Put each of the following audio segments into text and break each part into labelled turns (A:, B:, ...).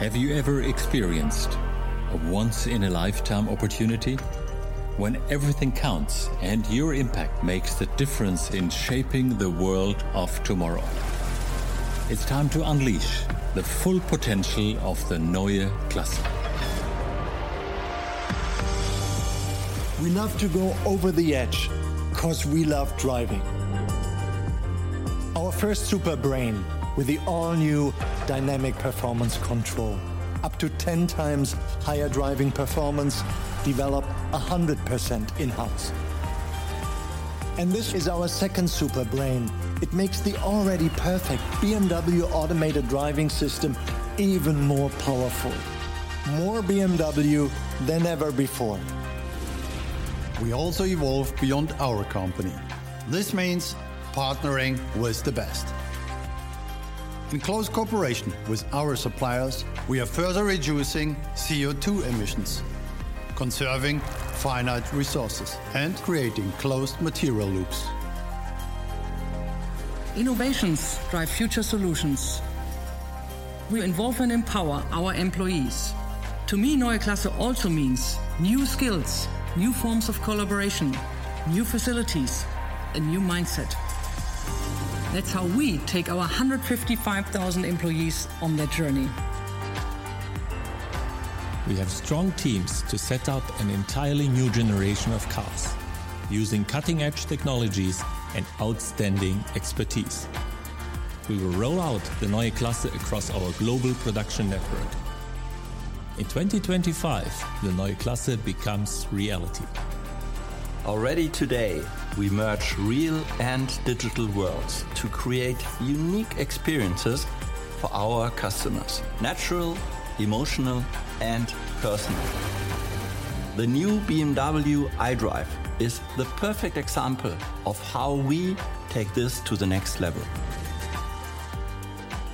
A: Have you ever experienced a once-in-a-lifetime opportunity when everything counts, and your impact makes the difference in shaping the world of tomorrow? It's time to unleash the full potential of the Neue Klasse.
B: We love to go over the edge 'cause we love driving. Our first super brain with the all-new Dynamic Performance Control, up to 10 times higher driving performance, developed 100% in-house. This is our second super brain. It makes the already perfect BMW automated driving system even more powerful, more BMW than ever before. We also evolve beyond our company. This means partnering with the best. In close cooperation with our suppliers, we are further reducing CO2 emissions, conserving finite resources, and creating closed material loops. Innovations drive future solutions. We involve and empower our employees. To me, Neue Klasse also means new skills, new forms of collaboration, new facilities, a new mindset. That's how we take our 155,000 employees on their journey.
C: We have strong teams to set up an entirely new generation of cars using cutting-edge technologies and outstanding expertise. We will roll out the Neue Klasse across our global production network. In 2025, the Neue Klasse becomes reality.
B: Already today, we merge real and digital worlds to create unique experiences for our customers, natural, emotional, and personal. The new BMW iDrive is the perfect example of how we take this to the next level.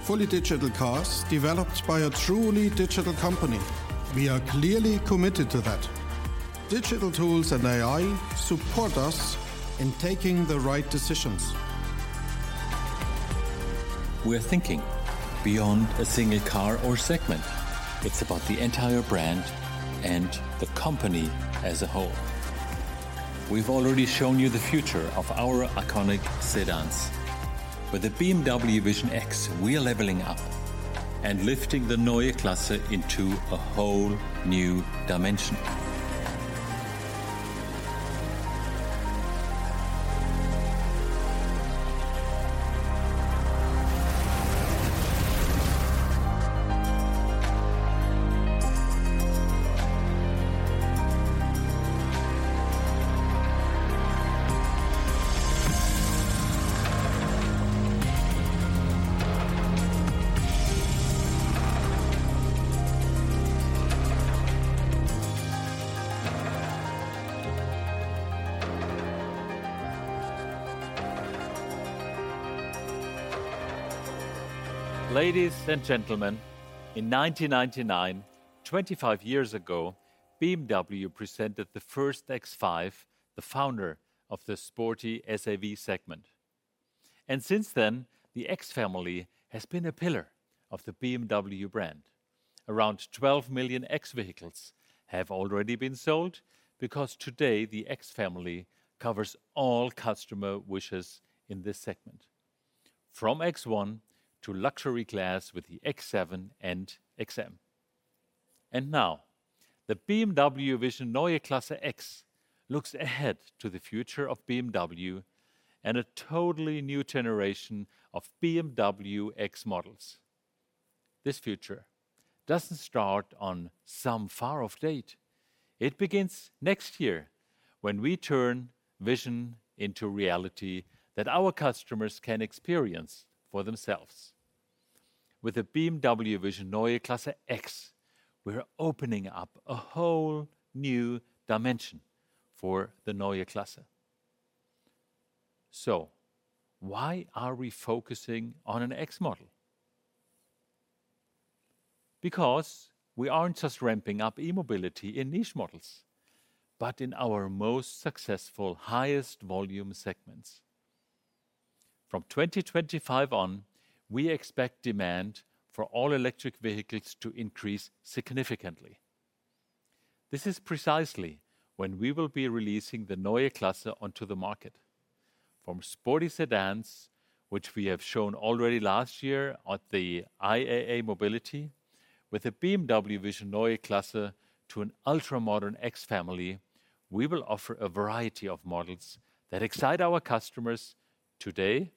C: Fully digital cars developed by a truly digital company, we are clearly committed to that. Digital tools and AI support us in taking the right decisions.
A: We're thinking beyond a single car or segment. It's about the entire brand and the company as a whole. We've already shown you the future of our iconic sedans. With the BMW Vision Neue Klasse X, we are leveling up and lifting the Neue Klasse into a whole new dimension. Ladies and gentlemen, in 1999, 25 years ago, BMW presented the first X5, the founder of the sporty SAV segment, and since then, the X family has been a pillar of the BMW brand. Around 12 million X vehicles have already been sold because today, the X family covers all customer wishes in this segment, from X1 to luxury class with the X7 and XM. And now, the BMW Vision Neue Klasse X looks ahead to the future of BMW and a totally new generation of BMW X models. This future doesn't start on some far-off date. It begins next year, when we turn vision into reality that our customers can experience for themselves. With the BMW Vision Neue Klasse X, we're opening up a whole new dimension for the Neue Klasse. So why are we focusing on an X model? Because we aren't just ramping up e-mobility in niche models, but in our most successful, highest volume segments. From 2025 on, we expect demand for all-electric vehicles to increase significantly. This is precisely when we will be releasing the Neue Klasse onto the market. From sporty sedans, which we have shown already last year at the IAA Mobility, with a BMW Vision Neue Klasse to an ultra-modern X family, we will offer a variety of models that excite our customers today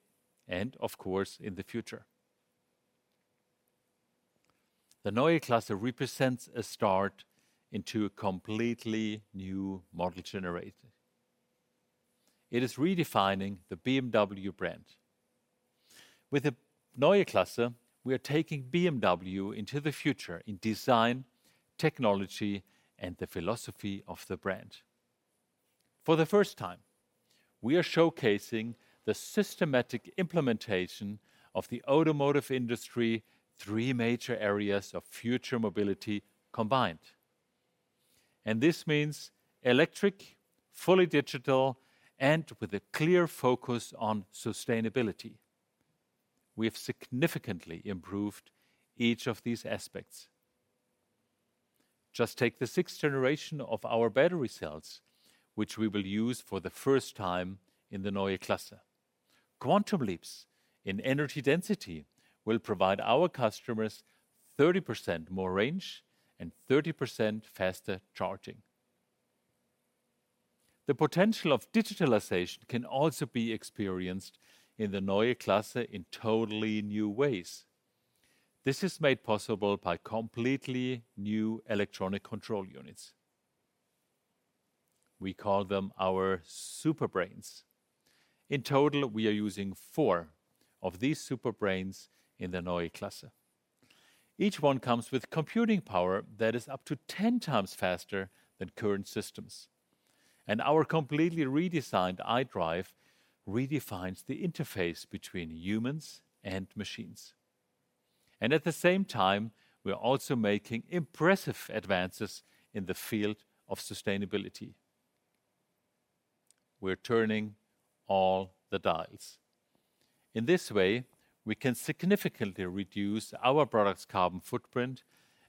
A: and, of course, in the future. The Neue Klasse represents a start into a completely new model generator. It is redefining the BMW brand. With the Neue Klasse, we are taking BMW into the future in design, technology, and the philosophy of the brand. For the first time, we are showcasing the systematic implementation of the automotive industry, three major areas of future mobility combined: and this means electric, fully digital, and with a clear focus on sustainability. We have significantly improved each of these aspects. Just take the sixth generation of our battery cells, which we will use for the first time in the Neue Klasse. Quantum leaps in energy density will provide our customers 30% more range and 30% faster charging. The potential of digitalization can also be experienced in the Neue Klasse in totally new ways. This is made possible by completely new electronic control units. We call them our super brains. In total, we are using four of these super brains in the Neue Klasse. Each one comes with computing power that is up to 10 times faster than current systems, and our completely redesigned iDrive redefines the interface between humans and machines. And at the same time, we are also making impressive advances in the field of sustainability. We're turning all the dials. In this way, we can significantly reduce our product's carbon footprint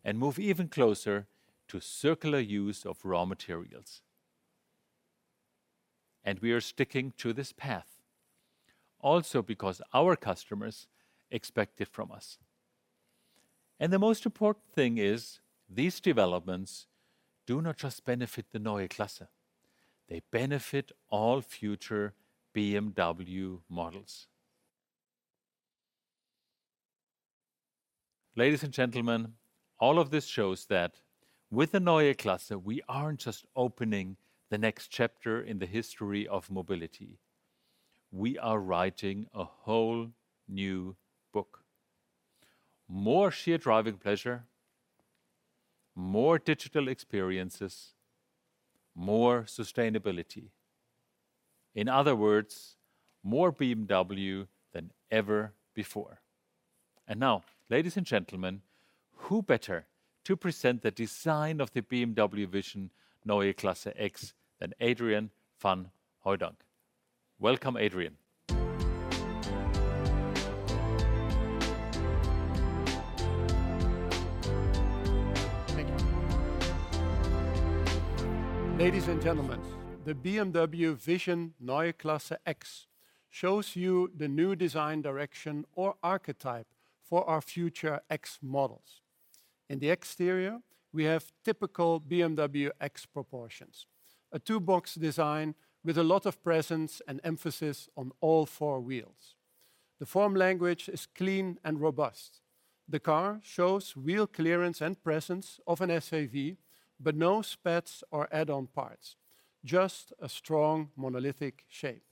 A: and move even closer to circular use of raw materials. And we are sticking to this path, also because our customers expect it from us. And the most important thing is, these developments do not just benefit the Neue Klasse, they benefit all future BMW models. Ladies and gentlemen, all of this shows that with the Neue Klasse, we aren't just opening the next chapter in the history of mobility, we are writing a whole new book. More sheer driving pleasure, more digital experiences, more sustainability. In other words, more BMW than ever before. And now, ladies and gentlemen, who better to present the design of the BMW Vision Neue Klasse X than Adrian van Hooydonk? Welcome, Adrian.
D: Thank you. Ladies and gentlemen, the BMW Vision Neue Klasse X shows you the new design direction or archetype for our future X models. In the exterior, we have typical BMW X proportions, a two-box design with a lot of presence and emphasis on all four wheels. The form language is clean and robust. The car shows wheel clearance and presence of an SUV, but no spats or add-on parts, just a strong, monolithic shape.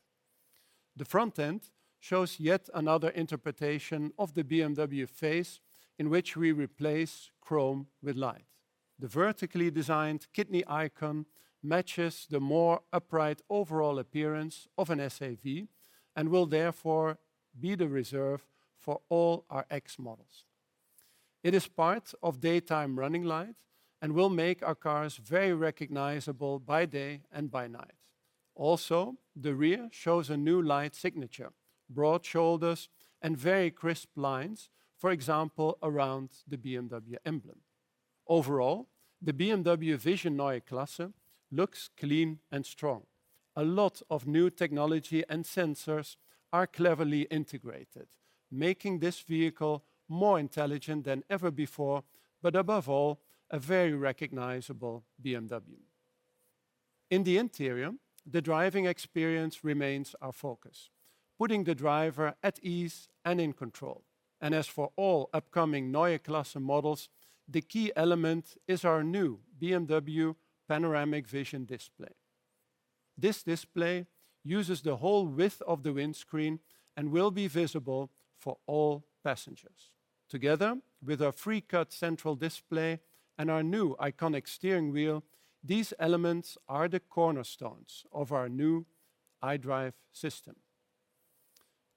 D: The front end shows yet another interpretation of the BMW face, in which we replace chrome with light. The vertically designed kidney icon matches the more upright overall appearance of an SUV and will therefore be the reserve for all our X models. It is part of daytime running light and will make our cars very recognizable by day and by night. Also, the rear shows a new light signature, broad shoulders, and very crisp lines, for example, around the BMW emblem. Overall, the BMW Vision Neue Klasse looks clean and strong. A lot of new technology and sensors are cleverly integrated, making this vehicle more intelligent than ever before, but above all, a very recognizable BMW. In the interior, the driving experience remains our focus, putting the driver at ease and in control. And as for all upcoming Neue Klasse models, the key element is our new BMW Panoramic Vision Display. This display uses the whole width of the windscreen and will be visible for all passengers. Together with our free-cut central display and our new iconic steering wheel, these elements are the cornerstones of our new iDrive system.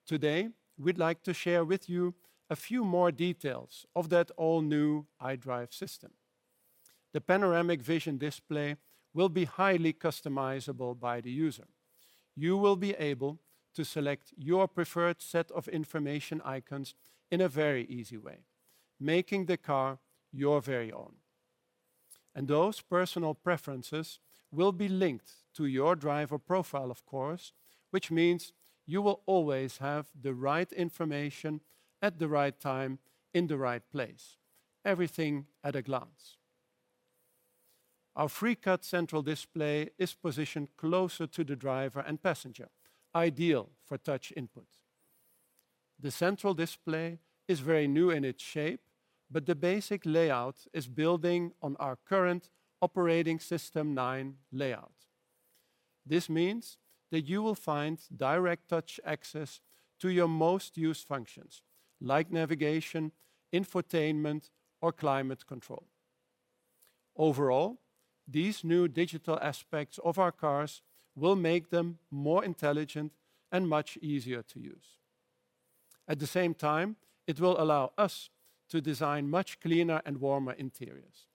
D: Today, we'd like to share with you a few more details of that all-new iDrive system. The Panoramic Vision Display will be highly customizable by the user. You will be able to select your preferred set of information icons in a very easy way, making the car your very own. And those personal preferences will be linked to your driver profile, of course, which means you will always have the right information at the right time, in the right place, everything at a glance. Our free-cut central display is positioned closer to the driver and passenger, ideal for touch input. The central display is very new in its shape, but the basic layout is building on our current Operating System 9 layout. This means that you will find direct touch access to your most used functions, like navigation, infotainment, or climate control. Overall, these new digital aspects of our cars will make them more intelligent and much easier to use. At the same time, it will allow us to design much cleaner and warmer interiors.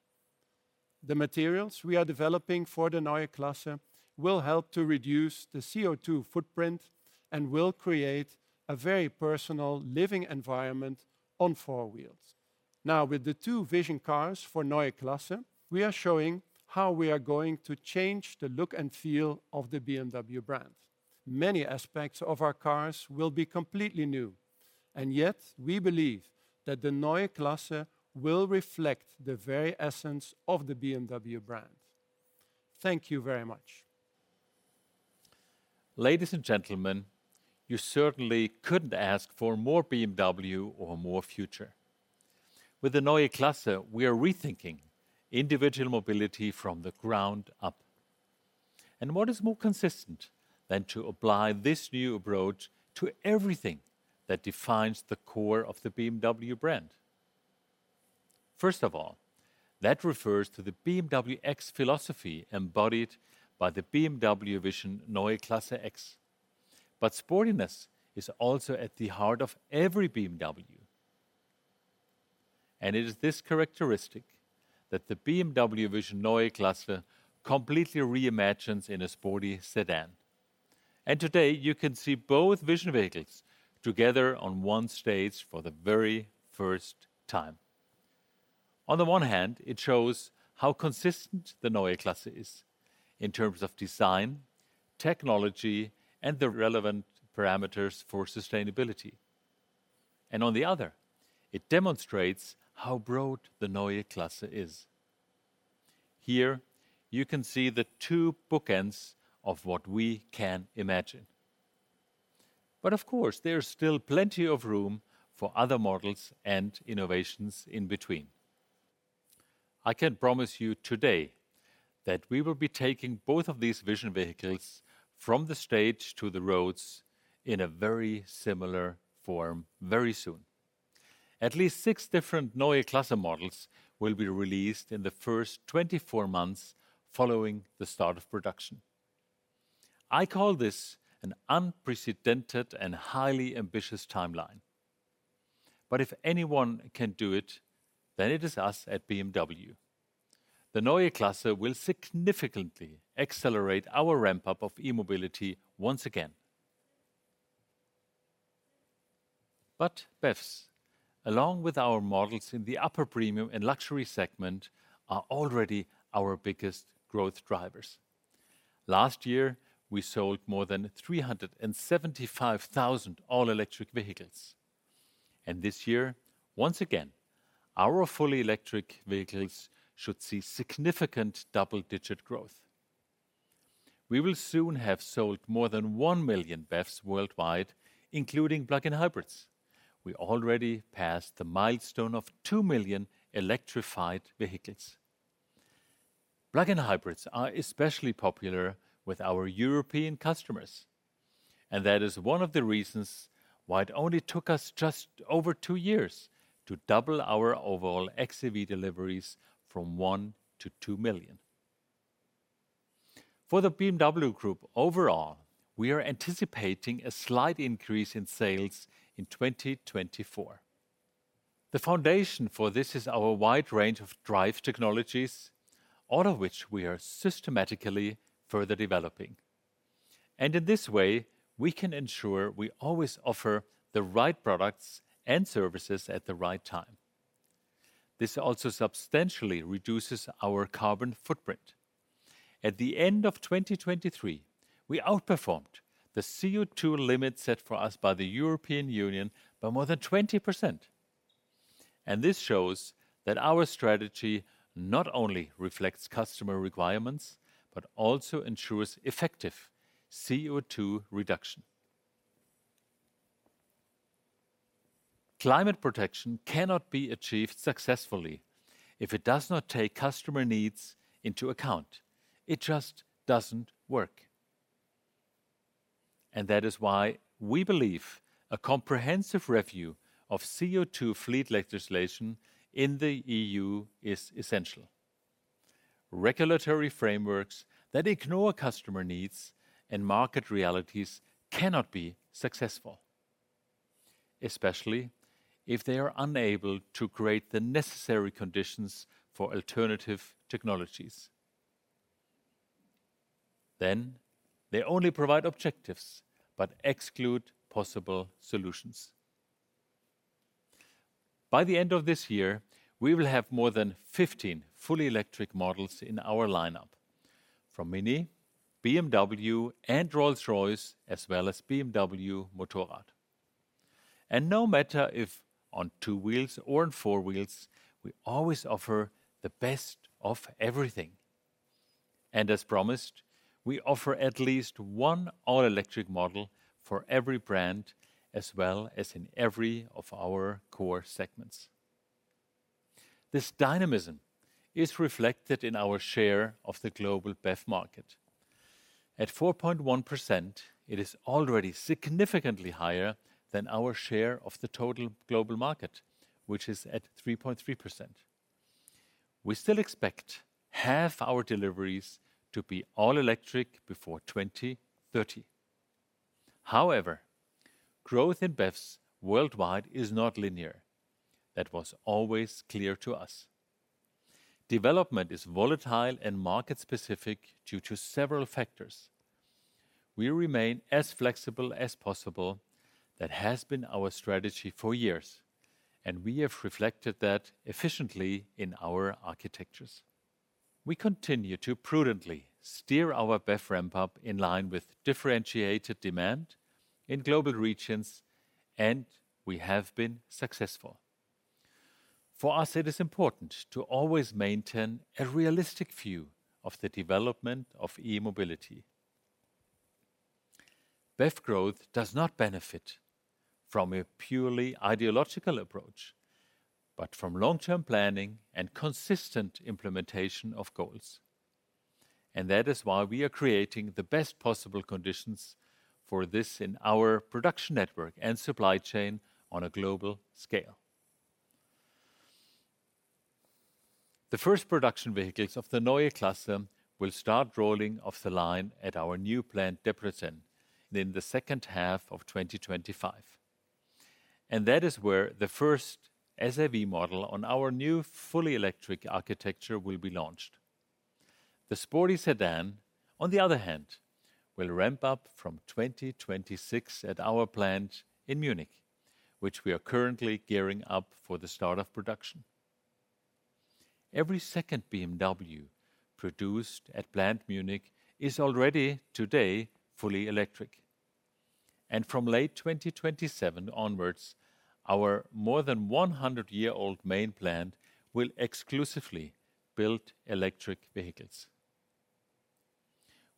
D: The materials we are developing for the Neue Klasse will help to reduce the CO2 footprint and will create a very personal living environment on four wheels. Now, with the two vision cars for Neue Klasse, we are showing how we are going to change the look and feel of the BMW brand. Many aspects of our cars will be completely new, and yet we believe that the Neue Klasse will reflect the very essence of the BMW brand. Thank you very much.
A: Ladies and gentlemen, you certainly couldn't ask for more BMW or more future. With the Neue Klasse, we are rethinking individual mobility from the ground up. What is more consistent than to apply this new approach to everything that defines the core of the BMW brand? First of all, that refers to the BMW X philosophy embodied by the BMW Vision Neue Klasse X. Sportiness is also at the heart of every BMW, and it is this characteristic that the BMW Vision Neue Klasse completely reimagines in a sporty sedan. Today, you can see both vision vehicles together on one stage for the very first time. On the one hand, it shows how consistent the Neue Klasse is in terms of design, technology, and the relevant parameters for sustainability. On the other, it demonstrates how broad the Neue Klasse is. Here, you can see the two bookends of what we can imagine. But of course, there's still plenty of room for other models and innovations in between. I can promise you today that we will be taking both of these vision vehicles from the stage to the roads in a very similar form very soon. At least six different Neue Klasse models will be released in the first 24 months following the start of production. I call this an unprecedented and highly ambitious timeline. But if anyone can do it, then it is us at BMW. The Neue Klasse will significantly accelerate our ramp-up of e-mobility once again. But BEVs, along with our models in the upper premium and luxury segment, are already our biggest growth drivers. Last year, we sold more than 375,000 all-electric vehicles. This year, once again, our fully electric vehicles should see significant double-digit growth. We will soon have sold more than 1 million BEVs worldwide, including plug-in hybrids. We already passed the milestone of 2 million electrified vehicles. Plug-in hybrids are especially popular with our European customers, and that is one of the reasons why it only took us just over 2 years to double our overall XEV deliveries from 1 to 2 million. For the BMW Group overall, we are anticipating a slight increase in sales in 2024. The foundation for this is our wide range of drive technologies, all of which we are systematically further developing, and in this way, we can ensure we always offer the right products and services at the right time. This also substantially reduces our carbon footprint. At the end of 2023, we outperformed the CO₂ limit set for us by the European Union by more than 20%, and this shows that our strategy not only reflects customer requirements, but also ensures effective CO₂ reduction. Climate protection cannot be achieved successfully if it does not take customer needs into account. It just doesn't work. And that is why we believe a comprehensive review of CO₂ fleet legislation in the EU is essential. Regulatory frameworks that ignore customer needs and market realities cannot be successful, especially if they are unable to create the necessary conditions for alternative technologies. Then they only provide objectives but exclude possible solutions. By the end of this year, we will have more than 15 fully electric models in our lineup from MINI, BMW, and Rolls-Royce, as well as BMW Motorrad. No matter if on two wheels or on four wheels, we always offer the best of everything. As promised, we offer at least one all-electric model for every brand, as well as in every of our core segments. This dynamism is reflected in our share of the global BEV market. At 4.1%, it is already significantly higher than our share of the total global market, which is at 3.3%.... We still expect half our deliveries to be all electric before 2030. However, growth in BEVs worldwide is not linear. That was always clear to us. Development is volatile and market-specific due to several factors. We remain as flexible as possible. That has been our strategy for years, and we have reflected that efficiently in our architectures. We continue to prudently steer our BEV ramp-up in line with differentiated demand in global regions, and we have been successful. For us, it is important to always maintain a realistic view of the development of e-mobility. BEV growth does not benefit from a purely ideological approach, but from long-term planning and consistent implementation of goals, and that is why we are creating the best possible conditions for this in our production network and supply chain on a global scale. The first production vehicles of the Neue Klasse will start rolling off the line at our new plant, Debrecen, in the second half of 2025, and that is where the first SAV model on our new fully electric architecture will be launched. The sporty sedan, on the other hand, will ramp up from 2026 at our plant in Munich, which we are currently gearing up for the start of production. Every second BMW produced at Plant Munich is already today fully electric, and from late 2027 onwards, our more than 100-year-old main plant will exclusively build electric vehicles.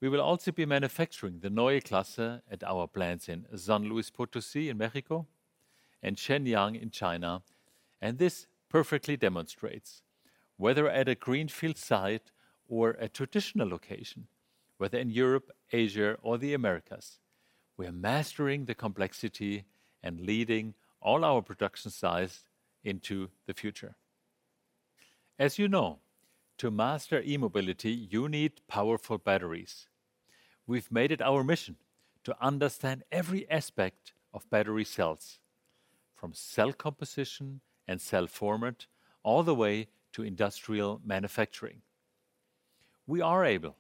A: We will also be manufacturing the Neue Klasse at our plants in San Luis Potosí in Mexico and Shenyang in China. And this perfectly demonstrates whether at a greenfield site or a traditional location, whether in Europe, Asia, or the Americas, we are mastering the complexity and leading all our production sites into the future. As you know, to master e-mobility, you need powerful batteries. We've made it our mission to understand every aspect of battery cells, from cell composition and cell format, all the way to industrial manufacturing. We are able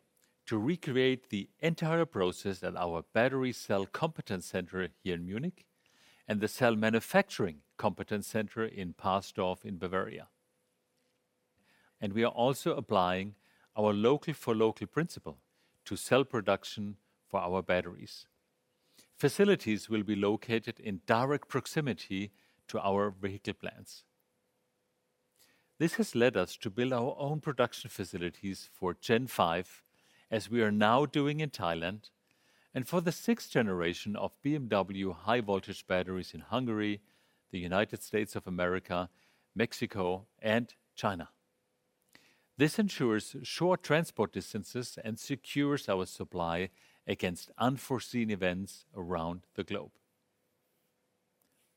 A: to recreate the entire process at our Battery Cell Competence Center here in Munich and the Cell Manufacturing Competence Center in Parsdorf in Bavaria. We are also applying our local-for-local principle to cell production for our batteries. Facilities will be located in direct proximity to our vehicle plants. This has led us to build our own production facilities for Gen 5, as we are now doing in Thailand, and for the sixth generation of BMW high-voltage batteries in Hungary, the United States of America, Mexico, and China. This ensures short transport distances and secures our supply against unforeseen events around the globe.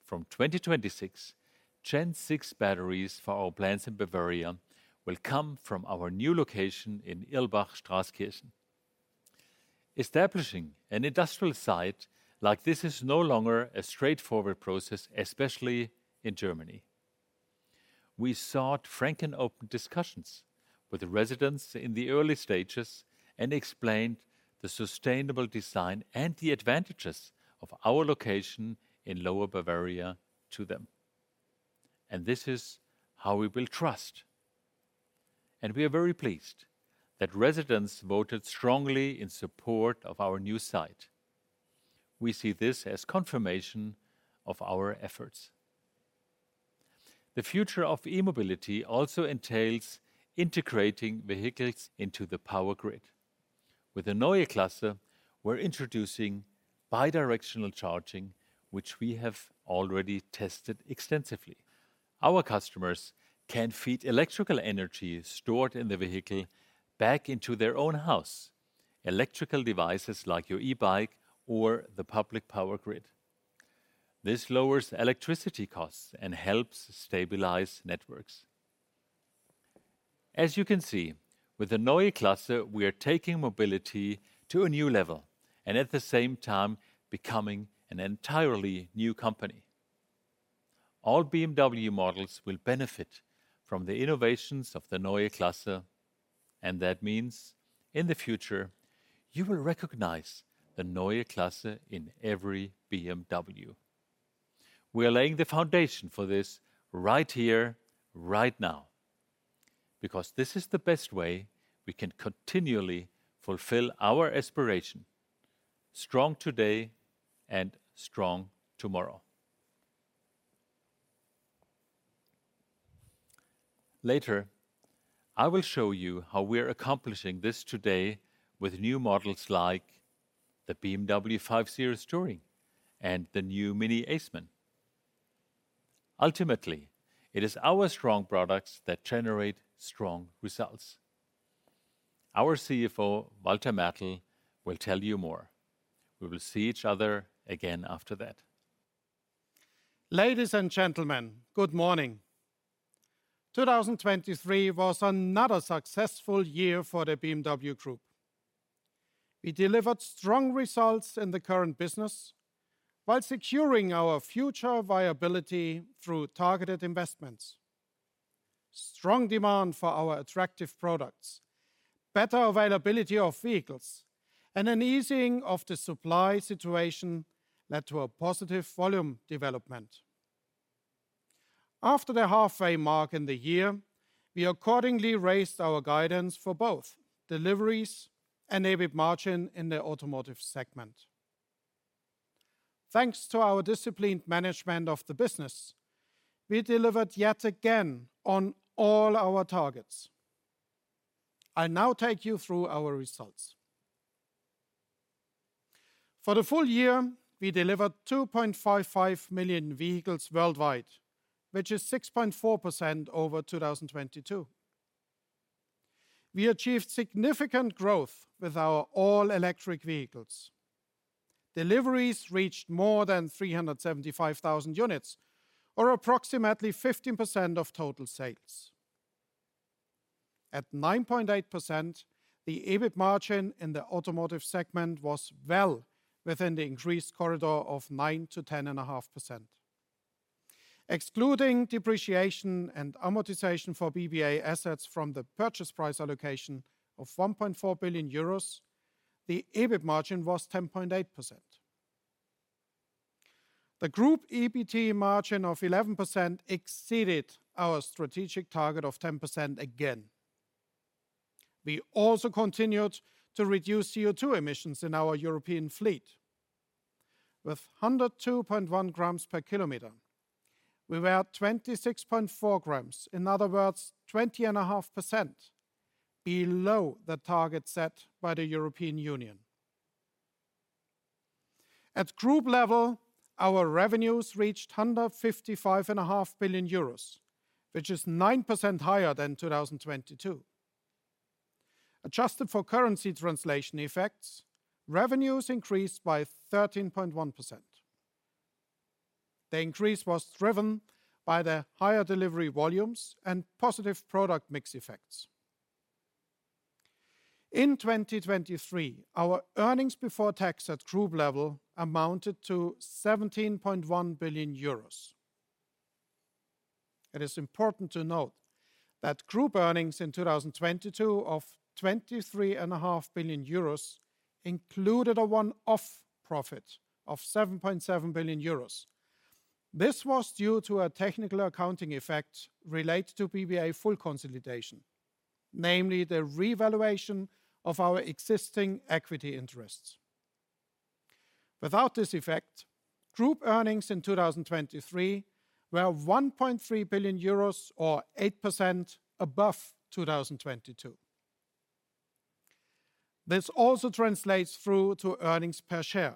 A: From 2026, Gen 6 batteries for our plants in Bavaria will come from our new location in Irlbach, Straßkirchen. Establishing an industrial site like this is no longer a straightforward process, especially in Germany. We sought frank and open discussions with the residents in the early stages and explained the sustainable design and the advantages of our location in Lower Bavaria to them. This is how we build trust, and we are very pleased that residents voted strongly in support of our new site. We see this as confirmation of our efforts. The future of e-mobility also entails integrating vehicles into the power grid. With the Neue Klasse, we're introducing bi-directional charging, which we have already tested extensively. Our customers can feed electrical energy stored in the vehicle back into their own house, electrical devices like your e-bike or the public power grid. This lowers electricity costs and helps stabilize networks. As you can see, with the Neue Klasse, we are taking mobility to a new level and at the same time becoming an entirely new company. All BMW models will benefit from the innovations of the Neue Klasse, and that means in the future, you will recognize the Neue Klasse in every BMW. We are laying the foundation for this right here, right now, because this is the best way we can continually fulfill our aspiration: strong today and strong tomorrow. Later, I will show you how we are accomplishing this today with new models like the BMW 5 Series Touring and the new MINI Aceman. Ultimately, it is our strong products that generate strong results. Our CFO, Walter Mertl, will tell you more. We will see each other again after that.
E: Ladies and gentlemen, good morning. 2023 was another successful year for the BMW Group. We delivered strong results in the current business, while securing our future viability through targeted investments. Strong demand for our attractive products, better availability of vehicles, and an easing of the supply situation led to a positive volume development. After the halfway mark in the year, we accordingly raised our guidance for both deliveries and EBIT margin in the automotive segment. Thanks to our disciplined management of the business, we delivered yet again on all our targets. I now take you through our results. For the full year, we delivered 2.55 million vehicles worldwide, which is 6.4% over 2022. We achieved significant growth with our all-electric vehicles. Deliveries reached more than 375,000 units, or approximately 15% of total sales. At 9.8%, the EBIT margin in the automotive segment was well within the increased corridor of 9%-10.5%. Excluding depreciation and amortization for BBA assets from the purchase price allocation of 1.4 billion euros, the EBIT margin was 10.8%. The group EBIT margin of 11% exceeded our strategic target of 10% again. We also continued to reduce CO2 emissions in our European fleet. With 102.1 grams per kilometer, we were at 26.4 grams, in other words, 20.5% below the target set by the European Union. At group level, our revenues reached 155.5 billion euros, which is 9% higher than 2022. Adjusted for currency translation effects, revenues increased by 13.1%. The increase was driven by the higher delivery volumes and positive product mix effects. In 2023, our earnings before tax at group level amounted to 17.1 billion euros. It is important to note that group earnings in 2022 of 23.5 billion euros included a one-off profit of 7.7 billion euros. This was due to a technical accounting effect related to BBA full consolidation, namely the revaluation of our existing equity interests. Without this effect, group earnings in 2023 were 1.3 billion euros, or 8% above 2022. This also translates through to earnings per share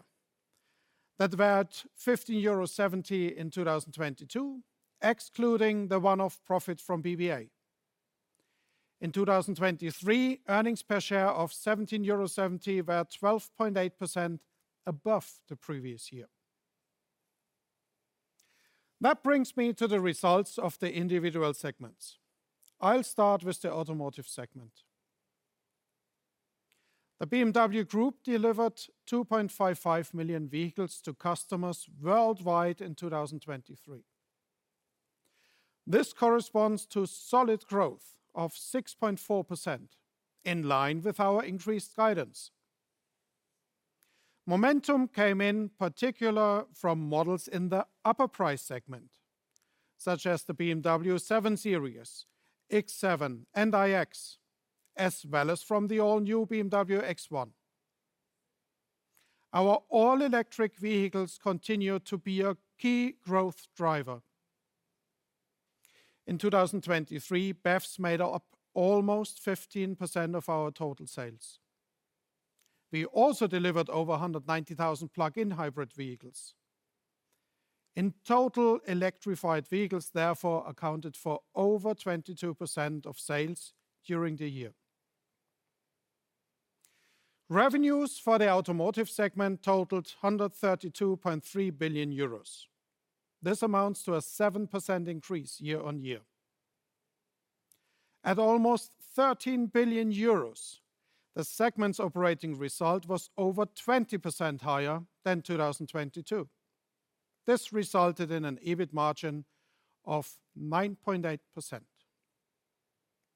E: that were at €15.70 in 2022, excluding the one-off profits from BBA. In 2023, earnings per share of EUR 17.70 were at 12.8% above the previous year. That brings me to the results of the individual segments. I'll start with the automotive segment. The BMW Group delivered 2.55 million vehicles to customers worldwide in 2023. This corresponds to solid growth of 6.4%, in line with our increased guidance. Momentum came in particular from models in the upper price segment, such as the BMW 7 Series, X7, and iX, as well as from the all-new BMW X1. Our all-electric vehicles continue to be a key growth driver. In 2023, BEVs made up almost 15% of our total sales. We also delivered over 190,000 plug-in hybrid vehicles. In total, electrified vehicles therefore accounted for over 22% of sales during the year. Revenues for the automotive segment totaled 132.3 billion euros. This amounts to a 7% increase year-on-year. At almost 13 billion euros, the segment's operating result was over 20% higher than 2022. This resulted in an EBIT margin of 9.8%.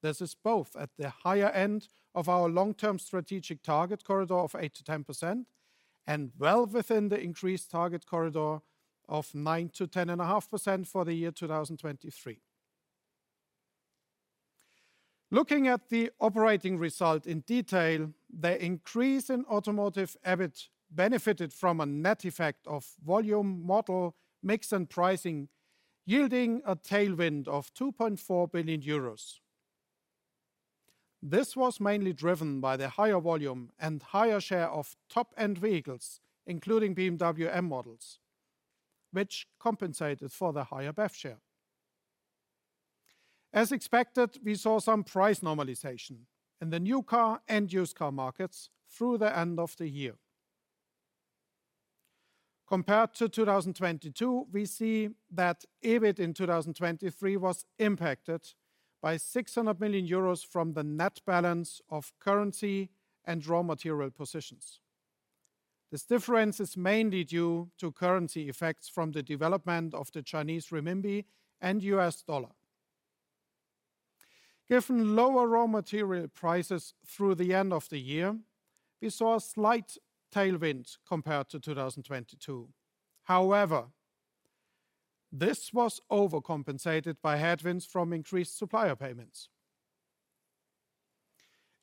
E: This is both at the higher end of our long-term strategic target corridor of 8%-10%, and well within the increased target corridor of 9%-10.5% for the year 2023. Looking at the operating result in detail, the increase in automotive EBIT benefited from a net effect of volume, model, mix, and pricing, yielding a tailwind of 2.4 billion euros. This was mainly driven by the higher volume and higher share of top-end vehicles, including BMW M models, which compensated for the higher BEV share. As expected, we saw some price normalization in the new car and used car markets through the end of the year. Compared to 2022, we see that EBIT in 2023 was impacted by 600 million euros from the net balance of currency and raw material positions. This difference is mainly due to currency effects from the development of the Chinese renminbi and US dollar. Given lower raw material prices through the end of the year, we saw a slight tailwind compared to 2022. However, this was overcompensated by headwinds from increased supplier payments.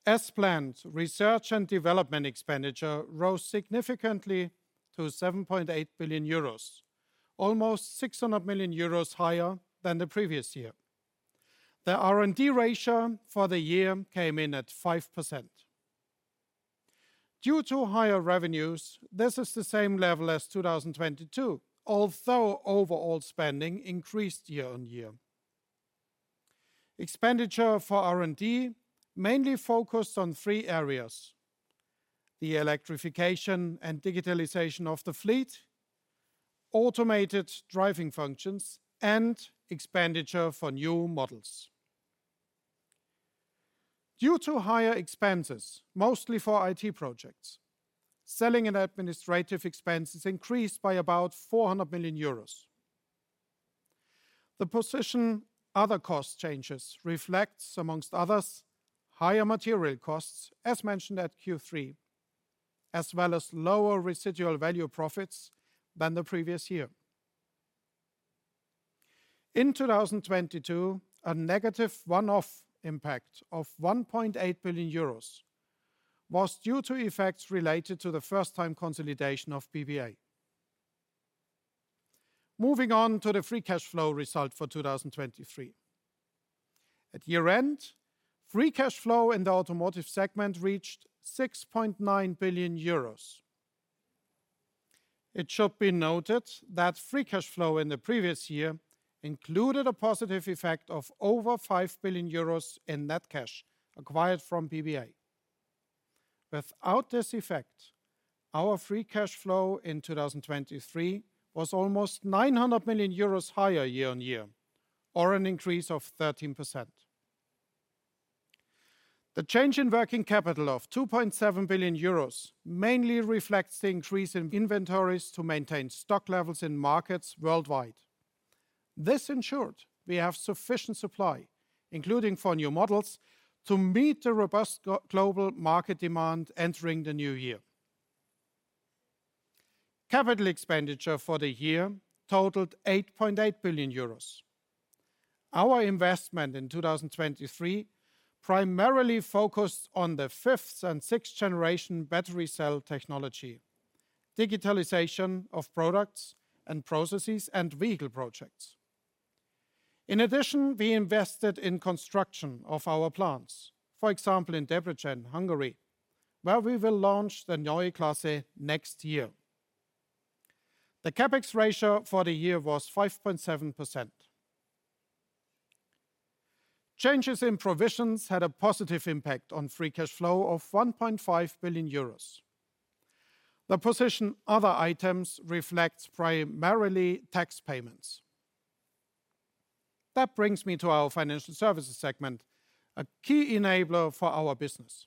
E: As planned, research and development expenditure rose significantly to 7.8 billion euros, almost 600 million euros higher than the previous year. The R&D ratio for the year came in at 5%. Due to higher revenues, this is the same level as 2022, although overall spending increased year on year. Expenditure for R&D mainly focused on three areas: the electrification and digitalization of the fleet, automated driving functions, and expenditure for new models. Due to higher expenses, mostly for IT projects, selling and administrative expenses increased by about 400 million euros. The position other cost changes reflects, among others, higher material costs, as mentioned at Q3, as well as lower residual value profits than the previous year. In 2022, a negative one-off impact of 1.8 billion euros was due to effects related to the first-time consolidation of BBA. Moving on to the free cash flow result for 2023. At year-end, free cash flow in the automotive segment reached 6.9 billion euros. It should be noted that free cash flow in the previous year included a positive effect of over 5 billion euros in net cash acquired from BBA. Without this effect, our free cash flow in 2023 was almost 900 million euros higher year-on-year, or an increase of 13%. The change in working capital of 2.7 billion euros mainly reflects the increase in inventories to maintain stock levels in markets worldwide. This ensured we have sufficient supply, including for new models, to meet the robust global market demand entering the new year. Capital expenditure for the year totaled 8.8 billion euros. Our investment in 2023 primarily focused on the fifth and sixth generation battery cell technology, digitalization of products and processes, and vehicle projects. In addition, we invested in construction of our plants, for example, in Debrecen, Hungary, where we will launch the Neue Klasse next year. The CapEx ratio for the year was 5.7%. Changes in provisions had a positive impact on free cash flow of 1.5 billion euros. The position other items reflects primarily tax payments. That brings me to our financial services segment, a key enabler for our business.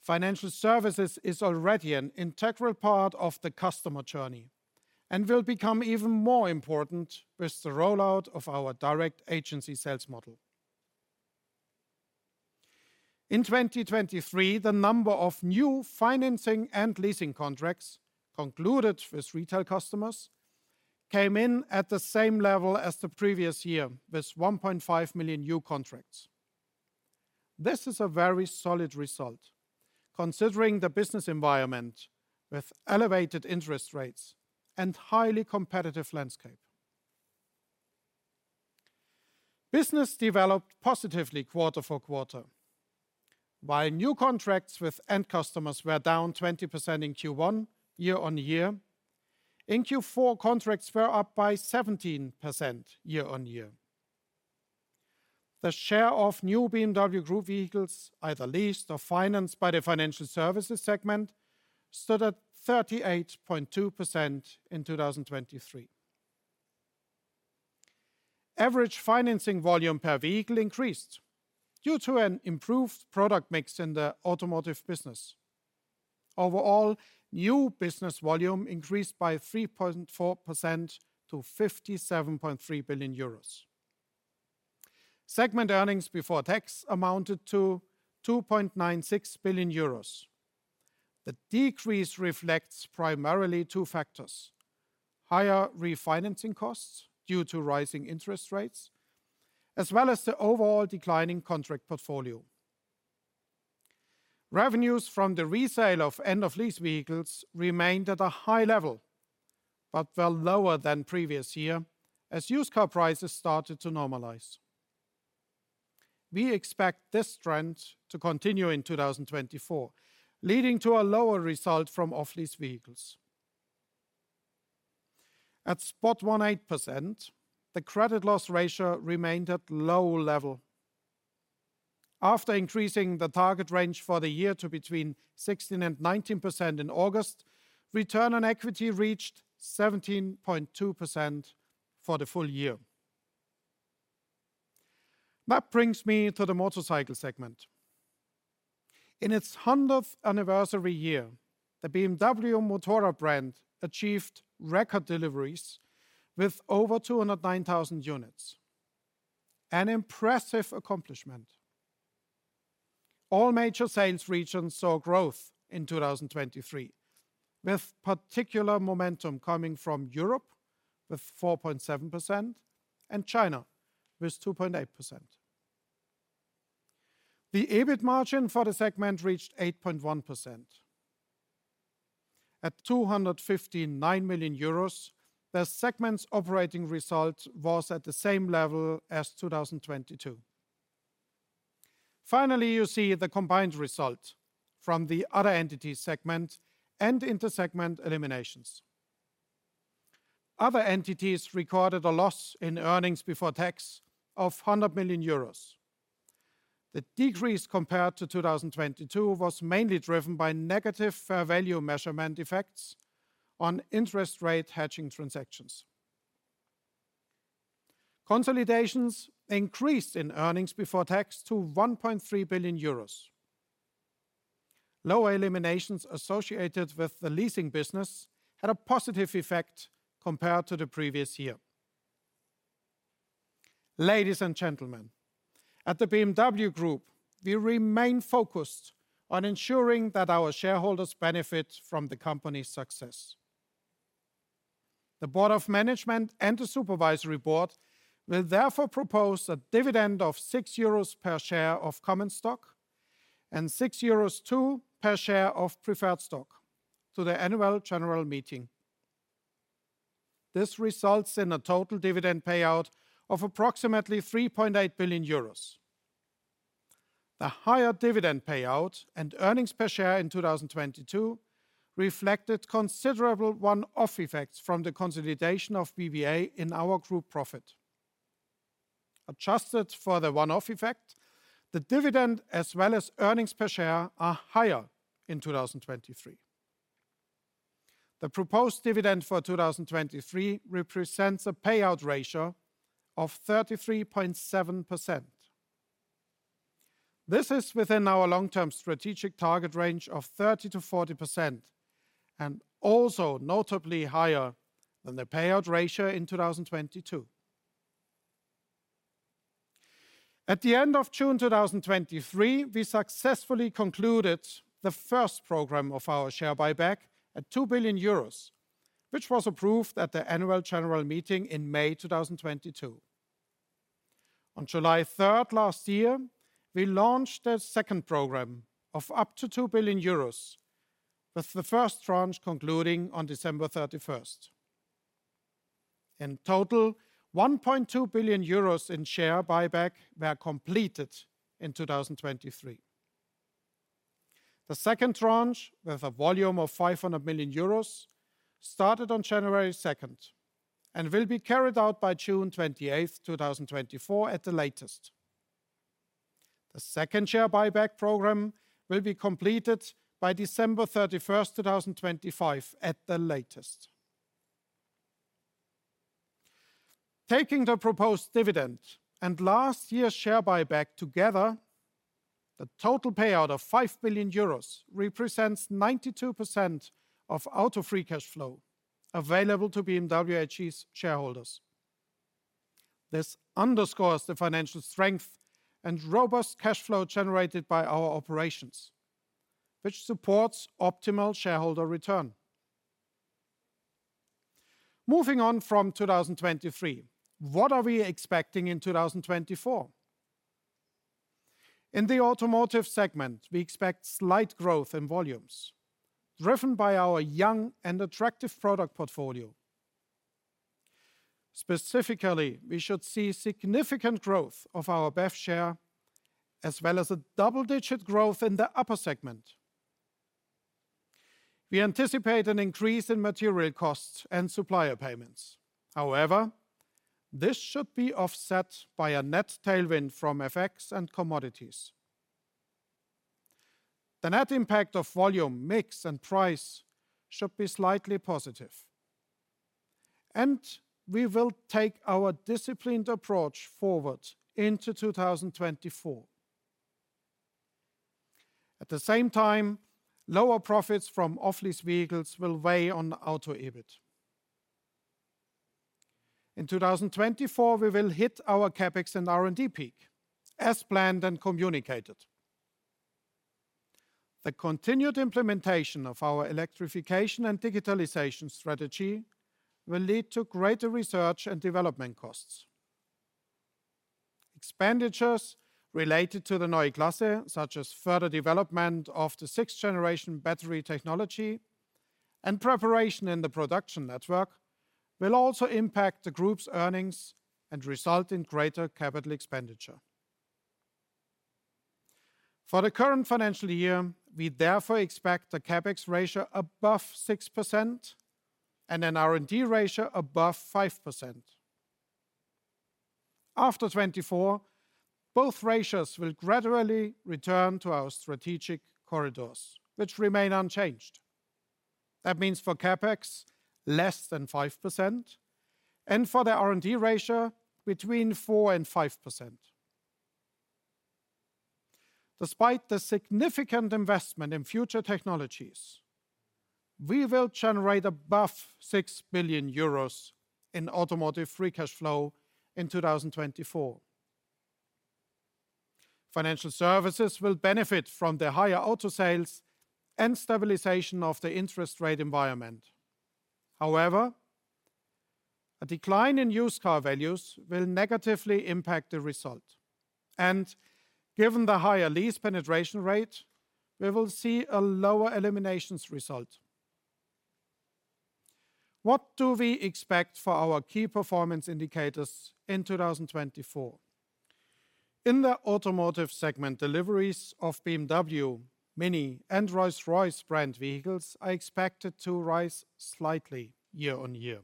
E: Financial services is already an integral part of the customer journey and will become even more important with the rollout of our direct agency sales model. In 2023, the number of new financing and leasing contracts concluded with retail customers came in at the same level as the previous year, with 1.5 million new contracts. This is a very solid result, considering the business environment with elevated interest rates and highly competitive landscape. Business developed positively quarter-on-quarter. While new contracts with end customers were down 20% in Q1, year-on-year, in Q4, contracts were up by 17% year-on-year. The share of new BMW Group vehicles, either leased or financed by the financial services segment, stood at 38.2% in 2023. Average financing volume per vehicle increased due to an improved product mix in the automotive business. Overall, new business volume increased by 3.4% to 57.3 billion euros. Segment earnings before tax amounted to 2.96 billion euros. The decrease reflects primarily two factors: higher refinancing costs due to rising interest rates, as well as the overall declining contract portfolio. Revenues from the resale of end-of-lease vehicles remained at a high level, but fell lower than previous year as used car prices started to normalize. We expect this trend to continue in 2024, leading to a lower result from off-lease vehicles. At 1.8%, the credit loss ratio remained at low level. After increasing the target range for the year to between 16% and 19% in August, return on equity reached 17.2% for the full year. That brings me to the motorcycle segment. In its hundredth anniversary year, the BMW Motorrad brand achieved record deliveries with over 209,000 units, an impressive accomplishment. All major sales regions saw growth in 2023, with particular momentum coming from Europe, with 4.7%, and China, with 2.8%. The EBIT margin for the segment reached 8.1%. At 259 million euros, the segment's operating result was at the same level as 2022. Finally, you see the combined result from the other entities segment and inter-segment eliminations. Other entities recorded a loss in earnings before tax of 100 million euros. The decrease compared to 2022 was mainly driven by negative fair value measurement effects on interest rate hedging transactions. Consolidations increased in earnings before tax to 1.3 billion euros. Lower eliminations associated with the leasing business had a positive effect compared to the previous year. Ladies and gentlemen, at the BMW Group, we remain focused on ensuring that our shareholders benefit from the company's success. The Board of Management and the Supervisory Board will therefore propose a dividend of 6 euros per share of common stock and 6.02 euros per share of preferred stock to the annual general meeting. This results in a total dividend payout of approximately 3.8 billion euros. The higher dividend payout and earnings per share in 2022 reflected considerable one-off effects from the consolidation of BBA in our group profit. Adjusted for the one-off effect, the dividend, as well as earnings per share, are higher in 2023. The proposed dividend for 2023 represents a payout ratio of 33.7%. This is within our long-term strategic target range of 30%-40%, and also notably higher than the payout ratio in 2022. At the end of June 2023, we successfully concluded the first program of our share buyback at 2 billion euros, which was approved at the annual general meeting in May 2022. On July 3 last year, we launched a second program of up to 2 billion euros, with the first tranche concluding on December 31. In total, 1.2 billion euros in share buyback were completed in 2023. The second tranche, with a volume of 500 million euros, started on January 2 and will be carried out by June 28, 2024, at the latest. The second share buyback program will be completed by December 31, 2025, at the latest. Taking the proposed dividend and last year's share buyback together, the total payout of 5 billion euros represents 92% of auto free cash flow available to BMW AG's shareholders. This underscores the financial strength and robust cash flow generated by our operations, which supports optimal shareholder return. Moving on from 2023, what are we expecting in 2024? In the automotive segment, we expect slight growth in volumes, driven by our young and attractive product portfolio. Specifically, we should see significant growth of our BEV share, as well as a double-digit growth in the upper segment. We anticipate an increase in material costs and supplier payments. However, this should be offset by a net tailwind from FX and commodities. The net impact of volume, mix, and price should be slightly positive, and we will take our disciplined approach forward into 2024. At the same time, lower profits from off-lease vehicles will weigh on auto EBIT. In 2024, we will hit our CapEx and R&D peak, as planned and communicated. The continued implementation of our electrification and digitalization strategy will lead to greater research and development costs. Expenditures related to the Neue Klasse, such as further development of the sixth-generation battery technology and preparation in the production network, will also impact the group's earnings and result in greater capital expenditure. For the current financial year, we therefore expect a CapEx ratio above 6% and an R&D ratio above 5%. After 2024, both ratios will gradually return to our strategic corridors, which remain unchanged. That means for CapEx, less than 5%, and for the R&D ratio, between 4% and 5%. Despite the significant investment in future technologies, we will generate above 6 billion euros in automotive free cash flow in 2024. Financial services will benefit from the higher auto sales and stabilization of the interest rate environment. However, a decline in used car values will negatively impact the result, and given the higher lease penetration rate, we will see a lower eliminations result. What do we expect for our key performance indicators in 2024? In the automotive segment, deliveries of BMW, MINI, and Rolls-Royce brand vehicles are expected to rise slightly year-on-year.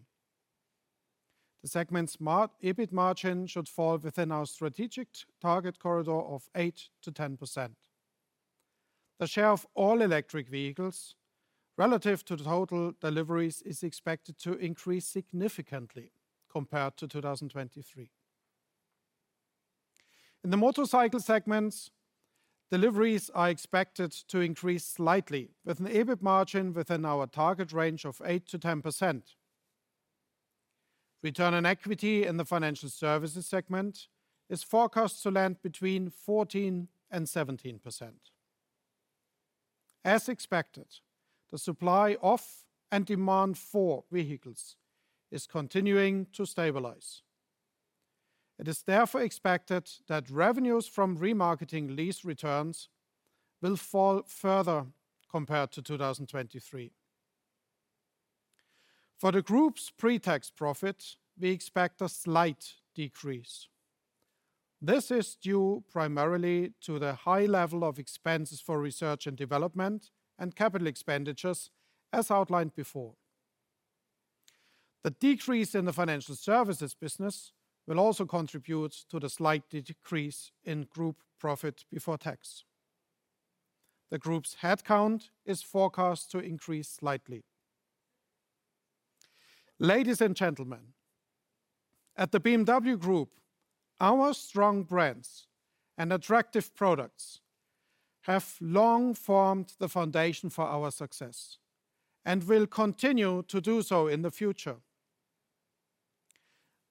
E: The segment's EBIT margin should fall within our strategic target corridor of 8%-10%. The share of all-electric vehicles relative to the total deliveries is expected to increase significantly compared to 2023. In the motorcycle segments, deliveries are expected to increase slightly, with an EBIT margin within our target range of 8%-10%. Return on equity in the financial services segment is forecast to land between 14%-17%. As expected, the supply of and demand for vehicles is continuing to stabilize. It is therefore expected that revenues from remarketing lease returns will fall further compared to 2023. For the group's pre-tax profit, we expect a slight decrease. This is due primarily to the high level of expenses for research and development and capital expenditures, as outlined before. The decrease in the financial services business will also contribute to the slight decrease in group profit before tax. The group's headcount is forecast to increase slightly. Ladies and gentlemen, at the BMW Group, our strong brands and attractive products have long formed the foundation for our success and will continue to do so in the future.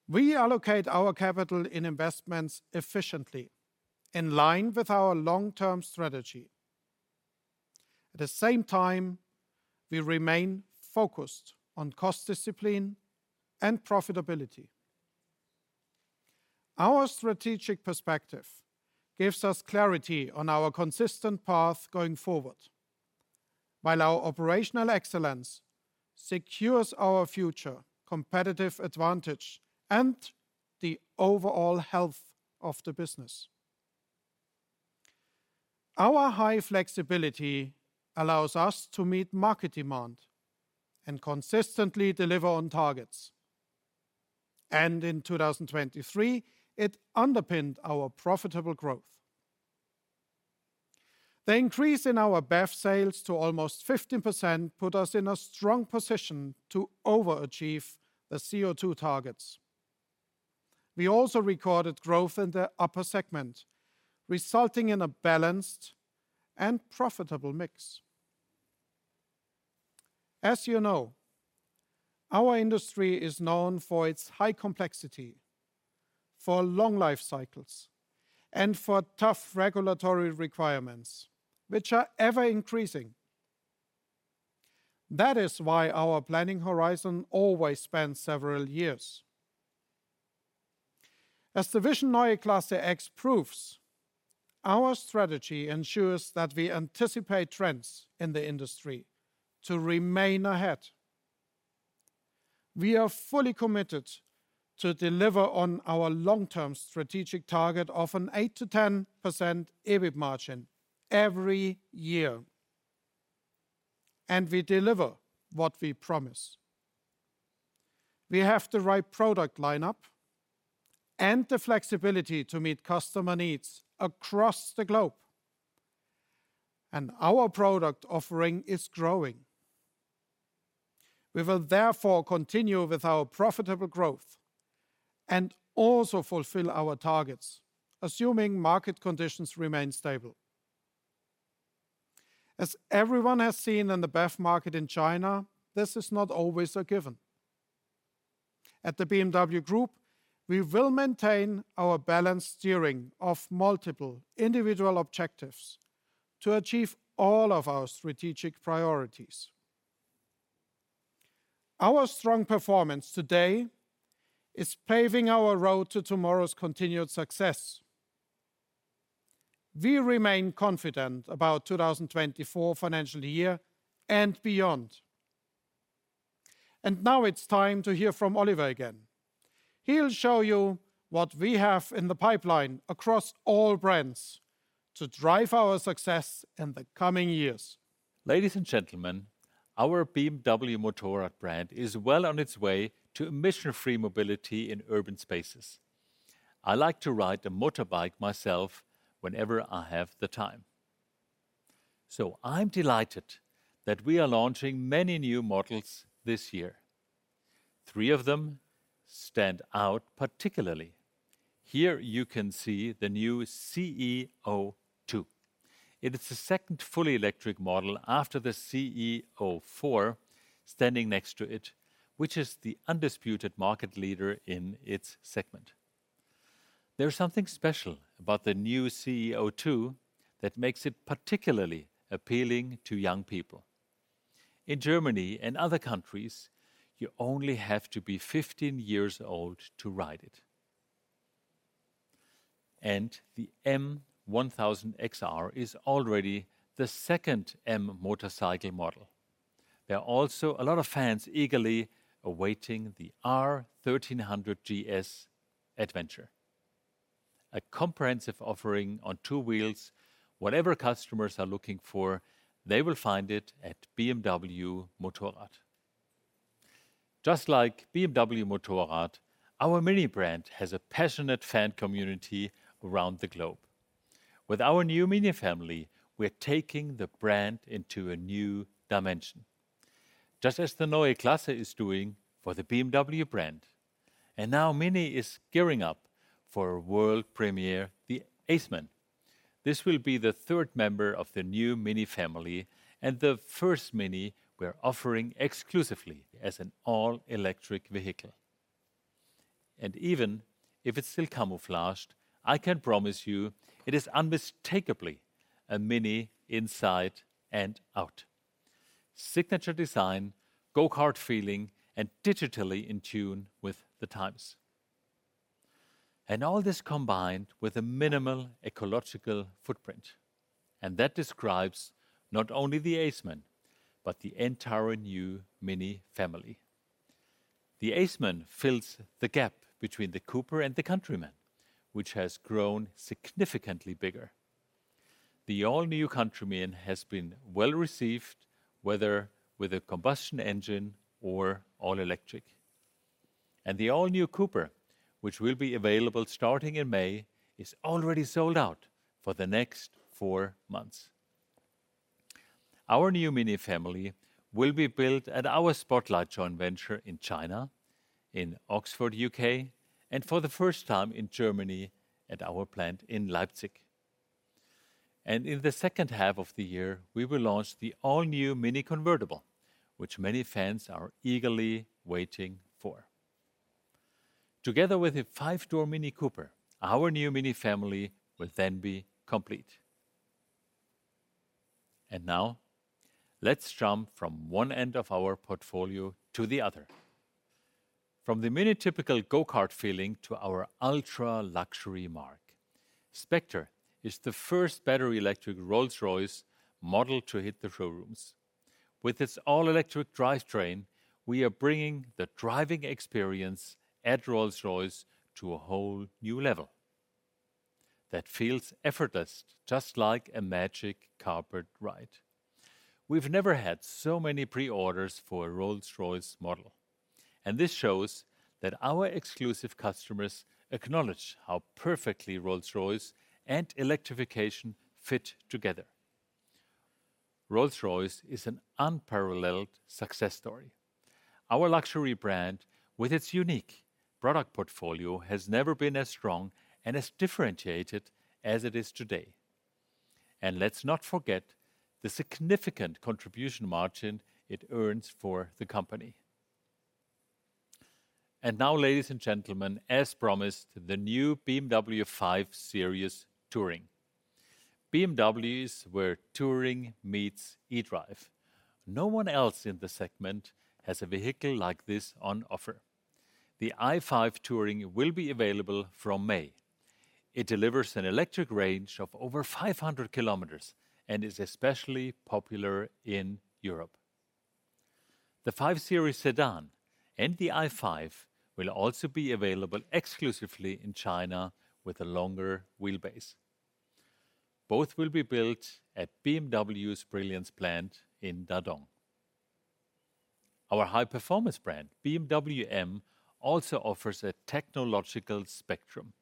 E: We allocate our capital in investments efficiently, in line with our long-term strategy. At the same time, we remain focused on cost discipline and profitability. Our strategic perspective gives us clarity on our consistent path going forward, while our operational excellence secures our future competitive advantage and the overall health of the business. Our high flexibility allows us to meet market demand and consistently deliver on targets, and in 2023, it underpinned our profitable growth. The increase in our BEV sales to almost 15% put us in a strong position to overachieve the CO2 targets. We also recorded growth in the upper segment, resulting in a balanced and profitable mix. As you know, our industry is known for its high complexity, for long life cycles, and for tough regulatory requirements, which are ever-increasing. That is why our planning horizon always spans several years. As the Vision Neue Klasse X proves, our strategy ensures that we anticipate trends in the industry to remain ahead. We are fully committed to deliver on our long-term strategic target of an 8%-10% EBIT margin every year, and we deliver what we promise. We have the right product lineup and the flexibility to meet customer needs across the globe, and our product offering is growing. We will therefore continue with our profitable growth and also fulfill our targets, assuming market conditions remain stable. As everyone has seen in the BEV market in China, this is not always a given. At the BMW Group, we will maintain our balanced steering of multiple individual objectives to achieve all of our strategic priorities. Our strong performance today is paving our road to tomorrow's continued success. We remain confident about 2024 financial year and beyond... and now it's time to hear from Oliver again. He'll show you what we have in the pipeline across all brands to drive our success in the coming years.
A: Ladies and gentlemen, our BMW Motorrad brand is well on its way to emission-free mobility in urban spaces. I like to ride a motorbike myself whenever I have the time, so I'm delighted that we are launching many new models this year. Three of them stand out particularly. Here you can see the new CE 02. It is the second fully electric model after the CE 04 standing next to it, which is the undisputed market leader in its segment. There's something special about the new CE 02 that makes it particularly appealing to young people. In Germany and other countries, you only have to be 15 years old to ride it. The M 1000 XR is already the second M motorcycle model. There are also a lot of fans eagerly awaiting the R 1300 GS Adventure. A comprehensive offering on two wheels, whatever customers are looking for, they will find it at BMW Motorrad. Just like BMW Motorrad, our MINI brand has a passionate fan community around the globe. With our new MINI family, we're taking the brand into a new dimension, just as the Neue Klasse is doing for the BMW brand. And now MINI is gearing up for a world premiere, the Aceman. This will be the third member of the new MINI family and the first MINI we're offering exclusively as an all-electric vehicle. And even if it's still camouflaged, I can promise you it is unmistakably a MINI inside and out. Signature design, go-kart feeling, and digitally in tune with the times. And all this combined with a minimal ecological footprint, and that describes not only the Aceman, but the entire new MINI family. The Aceman fills the gap between the Cooper and the Countryman, which has grown significantly bigger. The all-new Countryman has been well-received, whether with a combustion engine or all-electric. The all-new Cooper, which will be available starting in May, is already sold out for the next four months. Our new MINI family will be built at our Spotlight joint venture in China, in Oxford, U.K., and for the first time in Germany at our plant in Leipzig. In the second half of the year, we will launch the all-new MINI Convertible, which many fans are eagerly waiting for. Together with a five-door MINI Cooper, our new MINI family will then be complete. Now, let's jump from one end of our portfolio to the other. From the MINI typical go-kart feeling to our ultra-luxury marque. Spectre is the first battery electric Rolls-Royce model to hit the showrooms. With its all-electric drivetrain, we are bringing the driving experience at Rolls-Royce to a whole new level that feels effortless, just like a magic carpet ride. We've never had so many pre-orders for a Rolls-Royce model, and this shows that our exclusive customers acknowledge how perfectly Rolls-Royce and electrification fit together. Rolls-Royce is an unparalleled success story. Our luxury brand, with its unique product portfolio, has never been as strong and as differentiated as it is today. And let's not forget the significant contribution margin it earns for the company. And now, ladies and gentlemen, as promised, the new BMW i5 Touring. BMW's where touring meets eDrive. No one else in the segment has a vehicle like this on offer. The i5 Touring will be available from May. It delivers an electric range of over 500 kilometers and is especially popular in Europe. The i5 Series Sedan and the i5 will also be available exclusively in China with a longer wheelbase. Both will be built at BMW's Brilliance plant in Dadong. Our high-performance brand, BMW M, also offers a technological spectrum.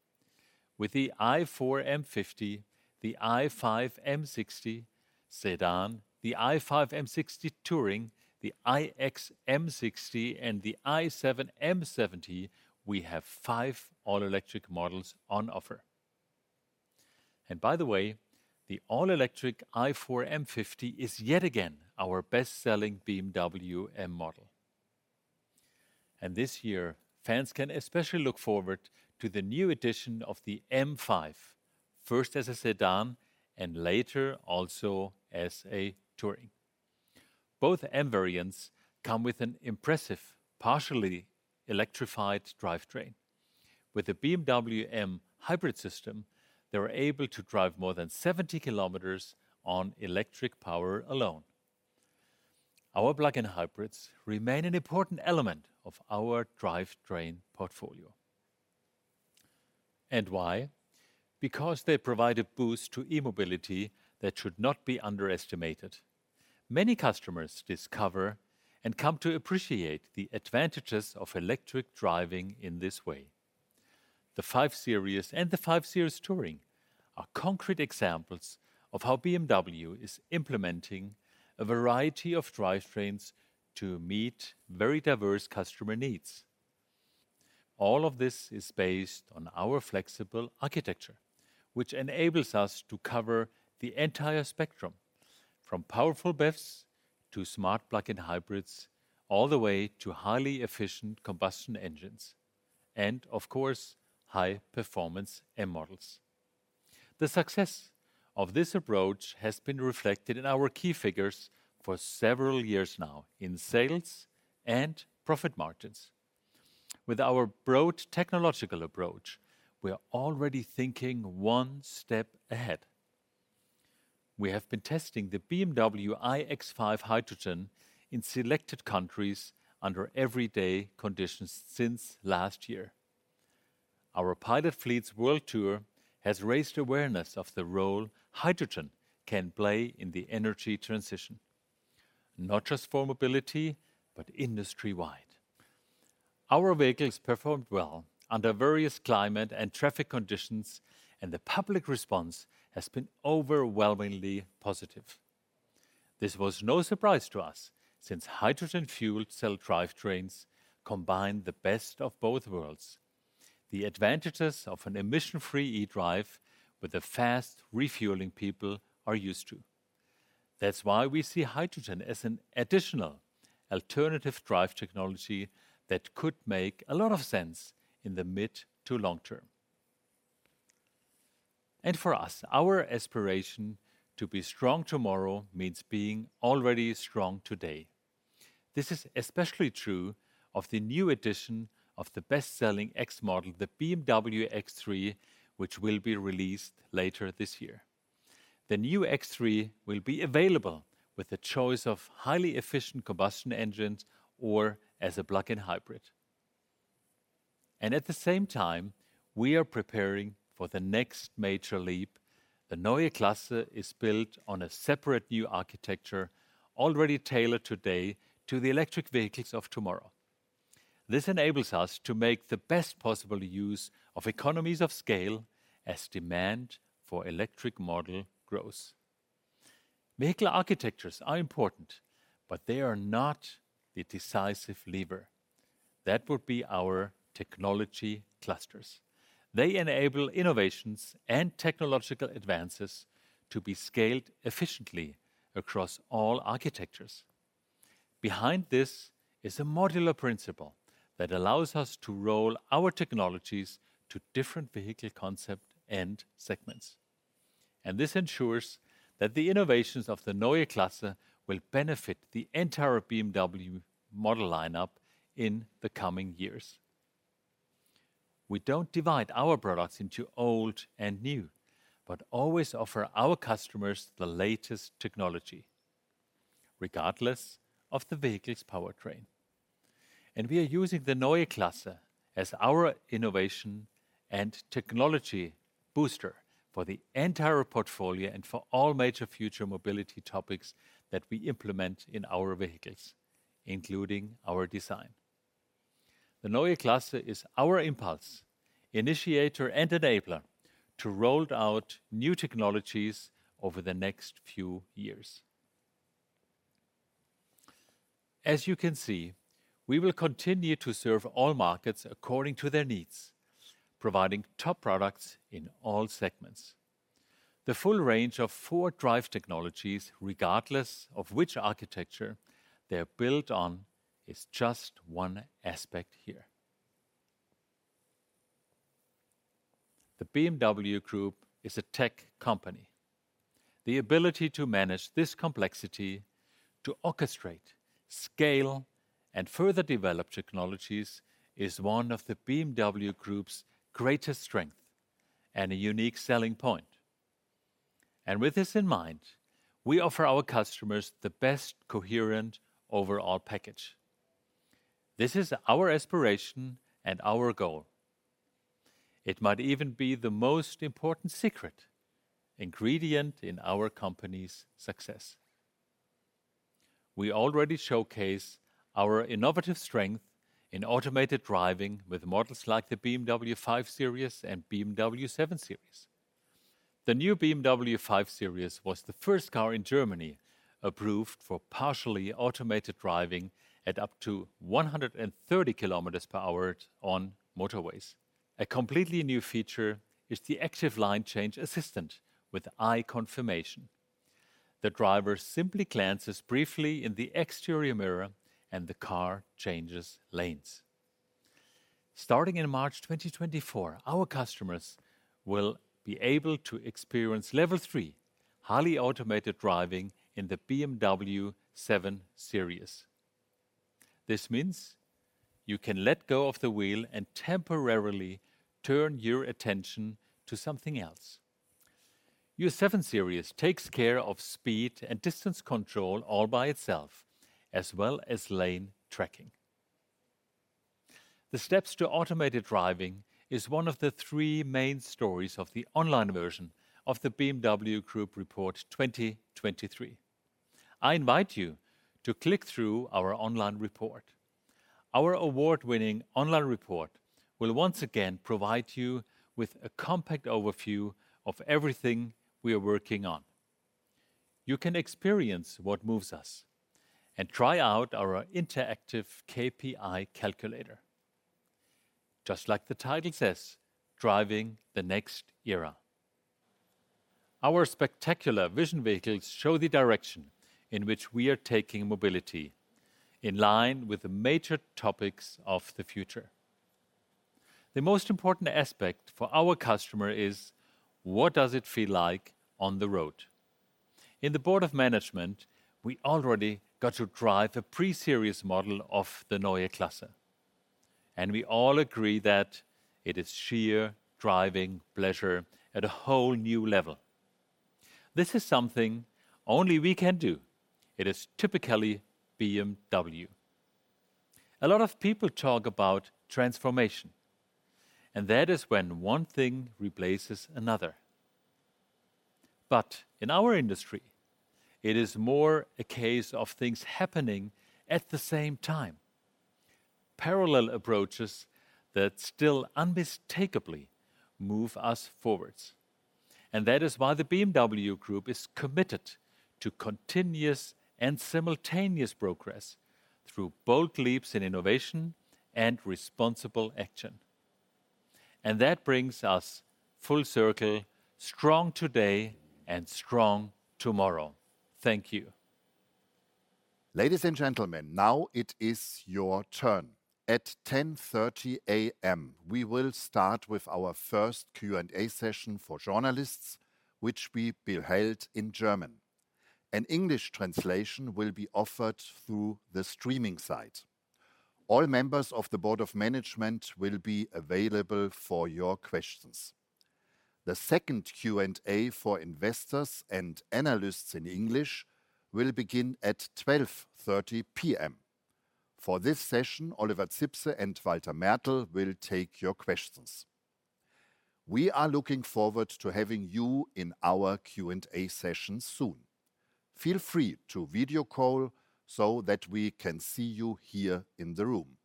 A: With the i4 M50, the i5 M60 Sedan, the i5 M60 Touring, the iX M60, and the i7 M70, we have five all-electric models on offer. And by the way, the all-electric i4 M50 is yet again our best-selling BMW M model. And this year, fans can especially look forward to the new edition of the M5, first as a Sedan and later also as a Touring. Both M variants come with an impressive, partially electrified drivetrain. With the BMW My Hybrid system, they are able to drive more than 70 kilometers on electric power alone. Our plug-in hybrids remain an important element of our drivetrain portfolio. And why? Because they provide a boost to e-mobility that should not be underestimated. Many customers discover and come to appreciate the advantages of electric driving in this way. The 5 Series and the 5 Series Touring are concrete examples of how BMW is implementing a variety of drivetrains to meet very diverse customer needs. All of this is based on our flexible architecture, which enables us to cover the entire spectrum, from powerful BEVs to smart plug-in hybrids, all the way to highly efficient combustion engines and, of course, high-performance M models. The success of this approach has been reflected in our key figures for several years now in sales and profit margins. With our broad technological approach, we are already thinking one step ahead. We have been testing the BMW iX5 Hydrogen in selected countries under everyday conditions since last year. Our pilot fleet's world tour has raised awareness of the role hydrogen can play in the energy transition, not just for mobility, but industry-wide. Our vehicles performed well under various climate and traffic conditions, and the public response has been overwhelmingly positive. This was no surprise to us, since hydrogen fuel cell drivetrains combine the best of both worlds: the advantages of an emission-free e-drive with a fast refueling people are used to. That's why we see hydrogen as an additional alternative drive technology that could make a lot of sense in the mid to long term. And for us, our aspiration to be strong tomorrow means being already strong today. This is especially true of the new edition of the best-selling X model, the BMW X3, which will be released later this year. The new X3 will be available with a choice of highly efficient combustion engines or as a plug-in hybrid. At the same time, we are preparing for the next major leap. The Neue Klasse is built on a separate new architecture, already tailored today to the electric vehicles of tomorrow. This enables us to make the best possible use of economies of scale as demand for electric model grows. Vehicle architectures are important, but they are not the decisive lever. That would be our technology clusters. They enable innovations and technological advances to be scaled efficiently across all architectures. Behind this is a modular principle that allows us to roll our technologies to different vehicle concept and segments, and this ensures that the innovations of the Neue Klasse will benefit the entire BMW model lineup in the coming years. We don't divide our products into old and new, but always offer our customers the latest technology, regardless of the vehicle's powertrain. We are using the Neue Klasse as our innovation and technology booster for the entire portfolio and for all major future mobility topics that we implement in our vehicles, including our design. The Neue Klasse is our impulse, initiator, and enabler to roll out new technologies over the next few years. As you can see, we will continue to serve all markets according to their needs, providing top products in all segments. The full range of four drive technologies, regardless of which architecture they're built on, is just one aspect here. The BMW Group is a tech company. The ability to manage this complexity, to orchestrate, scale, and further develop technologies, is one of the BMW Group's greatest strength and a unique selling point. With this in mind, we offer our customers the best coherent overall package. This is our aspiration and our goal. It might even be the most important secret ingredient in our company's success. We already showcase our innovative strength in automated driving with models like the BMW 5 Series and BMW 7 Series. The new BMW 5 Series was the first car in Germany approved for partially automated driving at up to 130 kilometers per hour on motorways. A completely new feature is the Active Line Change Assistant with eye confirmation. The driver simply glances briefly in the exterior mirror, and the car changes lanes. Starting in March 2024, our customers will be able to experience Level 3, highly automated driving in the BMW 7 Series.... This means you can let go of the wheel and temporarily turn your attention to something else. Your 7 Series takes care of speed and distance control all by itself, as well as lane tracking. The steps to automated driving is one of the three main stories of the online version of the BMW Group Report 2023. I invite you to click through our online report. Our award-winning online report will once again provide you with a compact overview of everything we are working on. You can experience what moves us, and try out our interactive KPI calculator. Just like the title says, Driving the Next Era. Our spectacular vision vehicles show the direction in which we are taking mobility, in line with the major topics of the future. The most important aspect for our customer is, what does it feel like on the road? In the board of management, we already got to drive a pre-series model of the Neue Klasse, and we all agree that it is sheer driving pleasure at a whole new level. This is something only we can do. It is typically BMW. A lot of people talk about transformation, and that is when one thing replaces another. But in our industry, it is more a case of things happening at the same time, parallel approaches that still unmistakably move us forwards. And that is why the BMW Group is committed to continuous and simultaneous progress through bold leaps in innovation and responsible action. And that brings us full circle, strong today and strong tomorrow. Thank you.
F: Ladies and gentlemen, now it is your turn. At 10:30 A.M., we will start with our first Q&A session for journalists, which will be held in German. An English translation will be offered through the streaming site. All members of the board of management will be available for your questions. The second Q&A for investors and analysts in English will begin at 12:30 P.M. For this session, Oliver Zipse and Walter Mertl will take your questions. We are looking forward to having you in our Q&A session soon. Feel free to video call so that we can see you here in the room.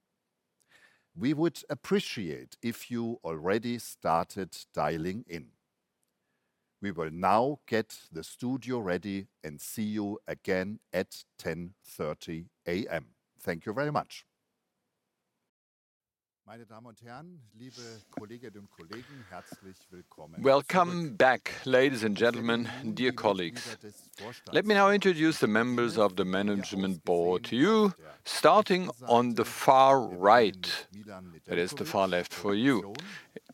F: We would appreciate if you already started dialing in. We will now get the studio ready and see you again at 10:30 A.M. Thank you very much.
G: Welcome back, ladies and gentlemen, dear colleagues. Let me now introduce the members of the management board to you, starting on the far right. That is the far left for you.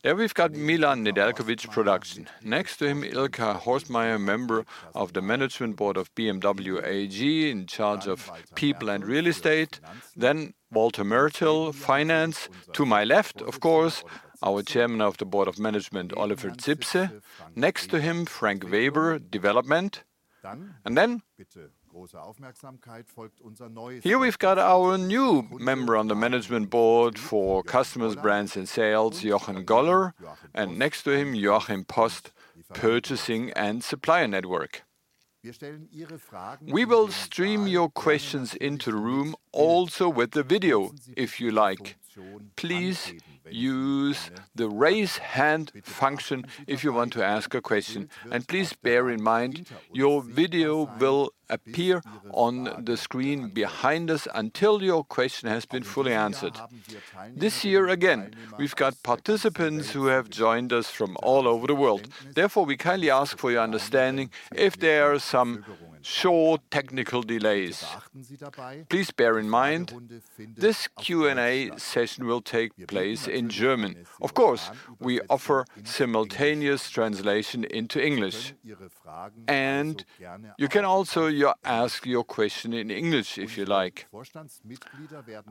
G: There we've got Milan Nedeljković, Production. Next to him, Ilka Horstmeier, member of the management board of BMW AG, in charge of People and Real Estate. Then Walter Mertl, Finance. To my left, of course, our Chairman of the Board of Management, Oliver Zipse. Next to him, Frank Weber, Development. And then, here we've got our new member on the management board for Customers, Brands, and Sales, Jochen Goller, and next to him, Joachim Post, Purchasing and Supplier Network. We will stream your questions into the room also with the video, if you like. Please use the raise hand function if you want to ask a question, and please bear in mind, your video will appear on the screen behind us until your question has been fully answered. This year, again, we've got participants who have joined us from all over the world. Therefore, we kindly ask for your understanding if there are some short technical delays. Please bear in mind, this Q&A session will take place in German. Of course, we offer simultaneous translation into English, and you can also ask your question in English, if you like.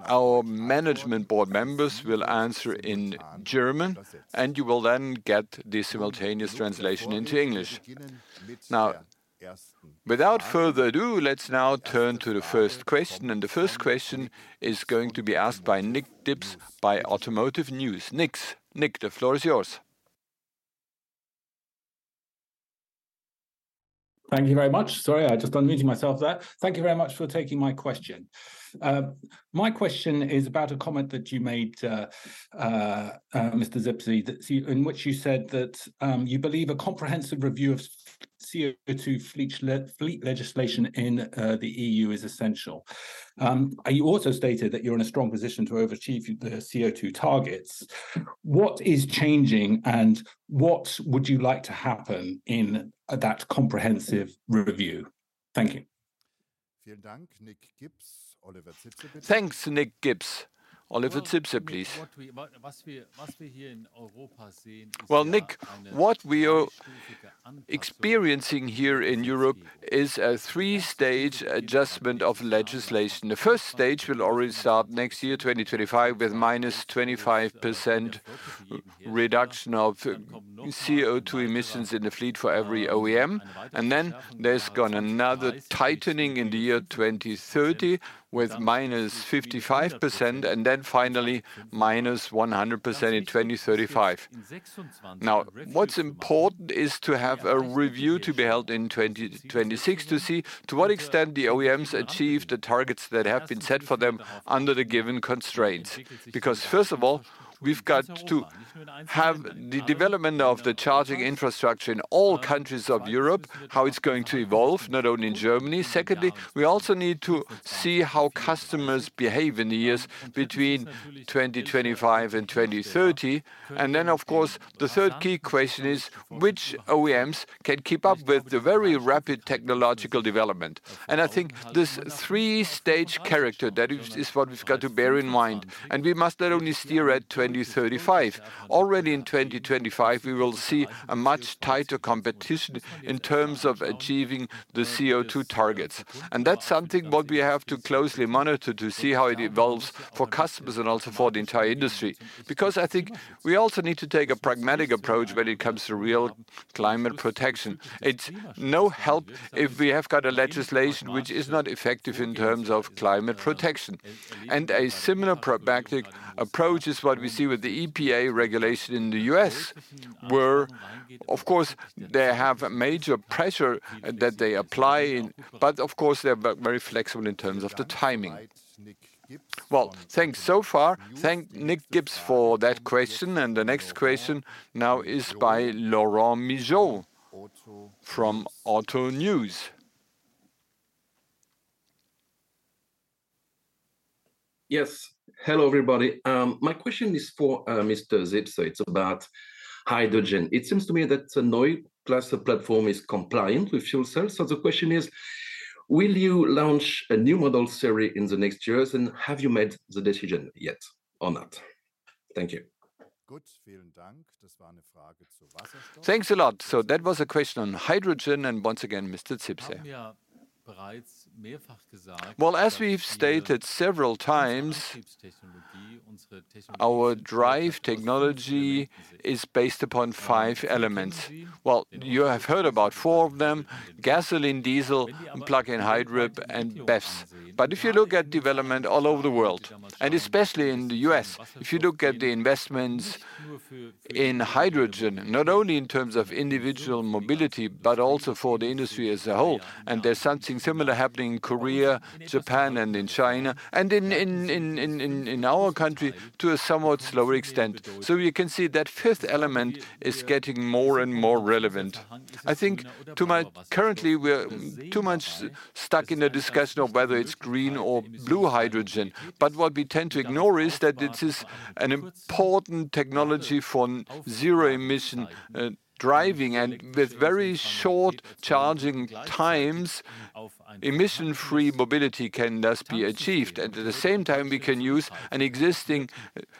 G: Our management board members will answer in German, and you will then get the simultaneous translation into English. Now, without further ado, let's now turn to the first question, and the first question is going to be asked by Nick Gibbs, by Automotive News. Nick, the floor is yours.
H: Thank you very much. Sorry, I'm just unmuting myself there. Thank you very much for taking my question. My question is about a comment that you made, Mr. Zipse, that you... In which you said that you believe a comprehensive review of CO2 fleet legislation in the EU is essential. You also stated that you're in a strong position to overachieve the CO2 targets. What is changing, and what would you like to happen in that comprehensive review? Thank you.
F: Thanks, Nick Gibbs. Oliver Zipse, please.
A: Well, Nick, what we are experiencing here in Europe-... is a three-stage adjustment of legislation. The first stage will already start next year, 2025, with a -25% reduction of CO2 emissions in the fleet for every OEM. And then there's another tightening in the year 2030, with -55%, and then finally, -100% in 2035. Now, what's important is to have a review to be held in 2026 to see to what extent the OEMs achieve the targets that have been set for them under the given constraints. Because first of all, we've got to have the development of the charging infrastructure in all countries of Europe, how it's going to evolve, not only in Germany. Secondly, we also need to see how customers behave in the years between 2025 and 2030. And then, of course, the third key question is, which OEMs can keep up with the very rapid technological development? I think this three-stage character, that is what we've got to bear in mind, and we must not only steer at 2035. Already in 2025, we will see a much tighter competition in terms of achieving the CO2 targets, and that's something what we have to closely monitor to see how it evolves for customers and also for the entire industry. Because I think we also need to take a pragmatic approach when it comes to real climate protection. It's no help if we have got a legislation which is not effective in terms of climate protection. And a similar pragmatic approach is what we see with the EPA regulation in the US, where, of course, they have major pressure that they apply, but of course, they're very flexible in terms of the timing.
F: Well, thanks so far. Thank Nick Gibbs for that question, and the next question now is by Laurent Meillaud from Auto News.
I: Yes. Hello, everybody. My question is for Mr. Zipse. It's about hydrogen. It seems to me that the Neue Klasse platform is compliant with fuel cells, so the question is, will you launch a new model series in the next years, and have you made the decision yet or not? Thank you.
F: Thanks a lot. So that was a question on hydrogen, and once again, Mr. Zipse.
A: Well, as we've stated several times, our drive technology is based upon five elements. Well, you have heard about four of them: gasoline, diesel, plug-in hybrid, and BEVs. But if you look at development all over the world, and especially in the U.S., if you look at the investments in hydrogen, not only in terms of individual mobility, but also for the industry as a whole, and there's something similar happening in Korea, Japan, and in China, and in our country, to a somewhat slower extent. So you can see that fifth element is getting more and more relevant. I think. Currently, we're too much stuck in a discussion of whether it's green or blue hydrogen. But what we tend to ignore is that this is an important technology for zero-emission driving, and with very short charging times, emission-free mobility can thus be achieved. At the same time, we can use an existing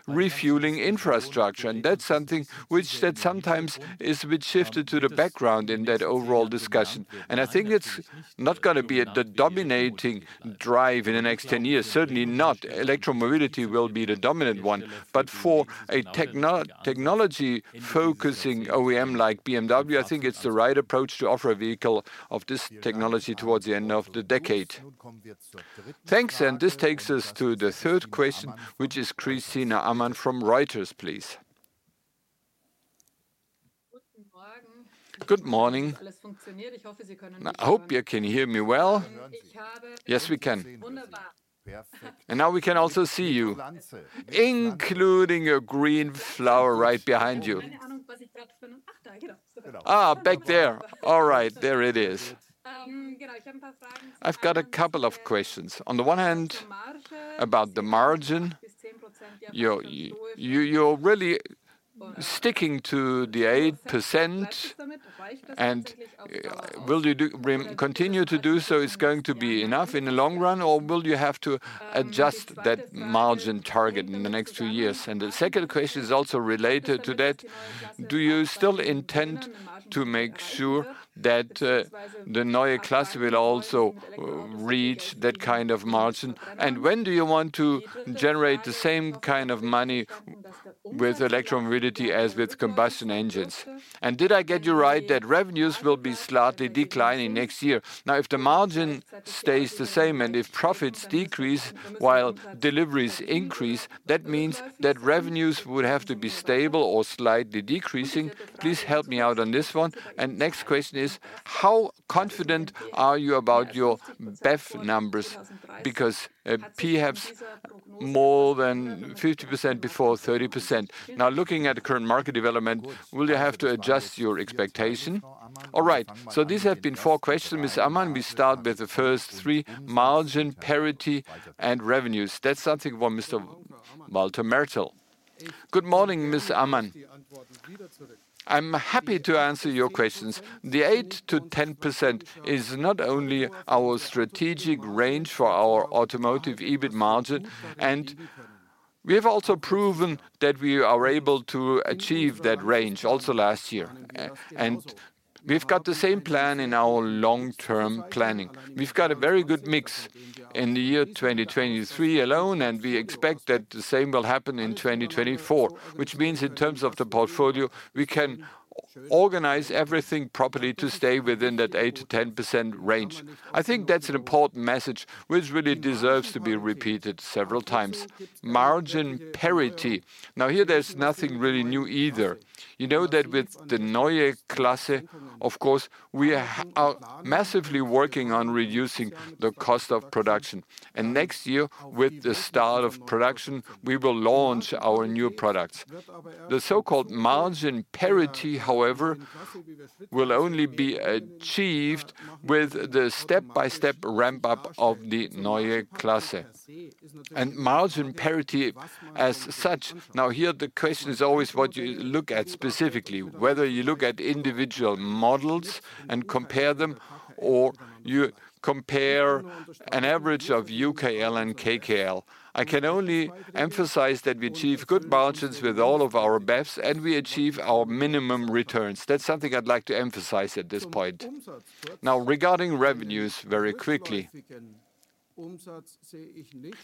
A: refueling infrastructure, and that's something which that sometimes is a bit shifted to the background in that overall discussion. And I think it's not gonna be the dominating drive in the next ten years, certainly not. Electromobility will be the dominant one. But for a technology-focusing OEM like BMW, I think it's the right approach to offer a vehicle of this technology towards the end of the decade.
F: Thanks, and this takes us to the third question, which is Christina Amann from Reuters, please.
G: Good morning. I hope you can hear me well. Yes, we can. Wonderful. And now we can also see you, including a green flower right behind you. I've got a couple of questions. On the one hand, about the margin, you're really sticking to the 8%, and will you continue to do so? Is going to be enough in the long run, or will you have to adjust that margin target in the next few years? And the second question is also related to that: Do you still intend to make sure that the Neue Klasse will also reach that kind of margin? And when do you want to generate the same kind of money with electromobility as with combustion engines? And did I get you right, that revenues will be slightly declining next year? Now, if the margin stays the same, and if profits decrease while deliveries increase, that means that revenues would have to be stable or slightly decreasing. Please help me out on this one. And next question is: How confident are you about your BEV numbers? Because, P has more than 50% before 30%. Now, looking at the current market development, will you have to adjust your expectation? All right, so these have been four questions, Ms. Amann. We start with the first three, margin, parity, and revenues. That's something for Mr. Walter Mertl. Good morning, Ms. Amann. I'm happy to answer your questions. The 8%-10% is not only our strategic range for our automotive EBIT margin, and we have also proven that we are able to achieve that range, also last year. And we've got the same plan in our long-term planning. We've got a very good mix in the year 2023 alone, and we expect that the same will happen in 2024, which means in terms of the portfolio, we can organize everything properly to stay within that 8%-10% range. I think that's an important message, which really deserves to be repeated several times. Margin parity. Now, here, there's nothing really new either. You know that with the Neue Klasse, of course, we are massively working on reducing the cost of production, and next year, with the start of production, we will launch our new products. The so-called margin parity, however, will only be achieved with the step-by-step ramp-up of the Neue Klasse. Margin parity as such, now, here, the question is always what you look at specifically, whether you look at individual models and compare them, or you compare an average of UKL and GKL. I can only emphasize that we achieve good margins with all of our BEVs, and we achieve our minimum returns. That's something I'd like to emphasize at this point. Now, regarding revenues, very quickly.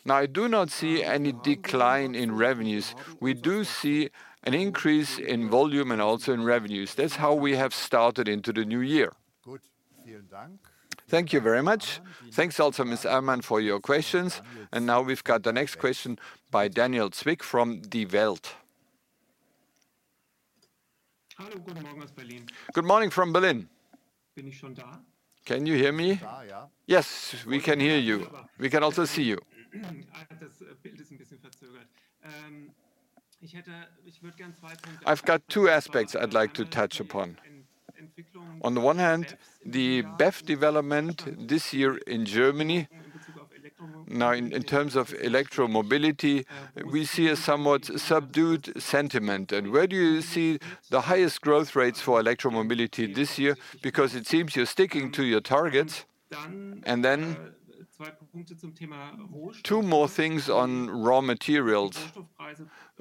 G: Now, I do not see any decline in revenues. We do see an increase in volume and also in revenues. That's how we have started into the new year. Good. Thank you very much.
F: Thanks also, Ms. Hermann, for your questions, and now we've got the next question by Daniel Zwick from Die Welt.
G: Hello. Good morning from Berlin. Good morning from Berlin. Can you hear me? Yes, we can hear you. We can also see you. I've got two aspects I'd like to touch upon. On the one hand, the BEV development this year in Germany. Now, in terms of electromobility, we see a somewhat subdued sentiment, and where do you see the highest growth rates for electromobility this year? Because it seems you're sticking to your targets. And then, two more things on raw materials.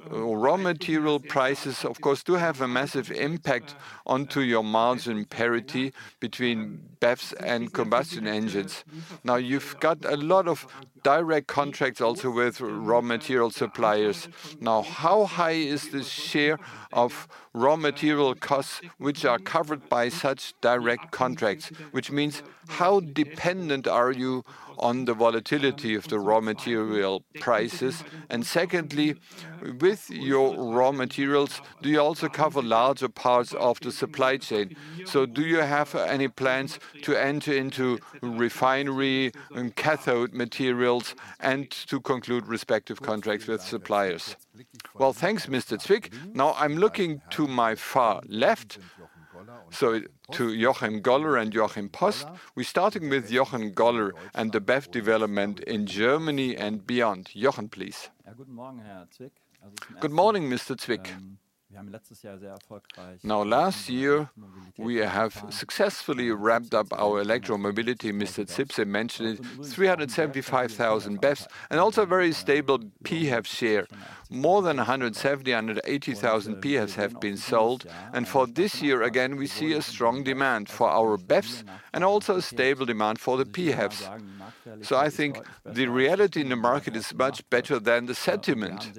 G: Raw material prices, of course, do have a massive impact onto your margin parity between BEVs and combustion engines. Now, you've got a lot of direct contracts also with raw material suppliers. Now, how high is the share of raw material costs which are covered by such direct contracts? Which means, how dependent are you on the volatility of the raw material prices? And secondly, with your raw materials, do you also cover larger parts of the supply chain? So do you have any plans to enter into refinery and cathode materials, and to conclude respective contracts with suppliers? Well, thanks, Mr. Zwick. Now I'm looking to my far left, so to Jochen Goller and Joachim Post. We're starting with Jochen Goller and the BEV development in Germany and beyond. Jochen, please.
J: Good morning, Mr. Zwick. Now, last year, we have successfully ramped up our electromobility. Mr. Zipse mentioned it, 375,000 BEVs, and also a very stable PHEV share. More than 170,000-180,000 PHEVs have been sold, and for this year, again, we see a strong demand for our BEVs, and also a stable demand for the PHEVs. So I think the reality in the market is much better than the sentiment,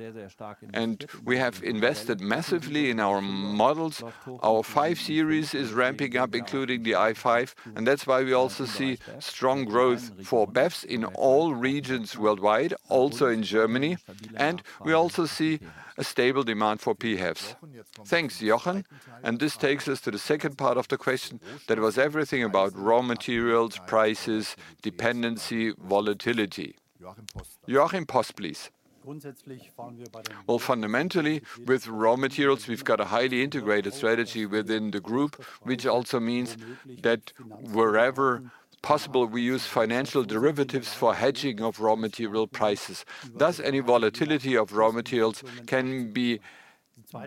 J: and we have invested massively in our models. Our 5 Series is ramping up, including the i5, and that's why we also see strong growth for BEVs in all regions worldwide, also in Germany, and we also see a stable demand for PHEVs. Thanks, Jochen, and this takes us to the second part of the question. That was everything about raw materials, prices, dependency, volatility. Joachim Post, please. Well, fundamentally, with raw materials, we've got a highly integrated strategy within the group, which also means that wherever possible, we use financial derivatives for hedging of raw material prices. Thus, any volatility of raw materials can be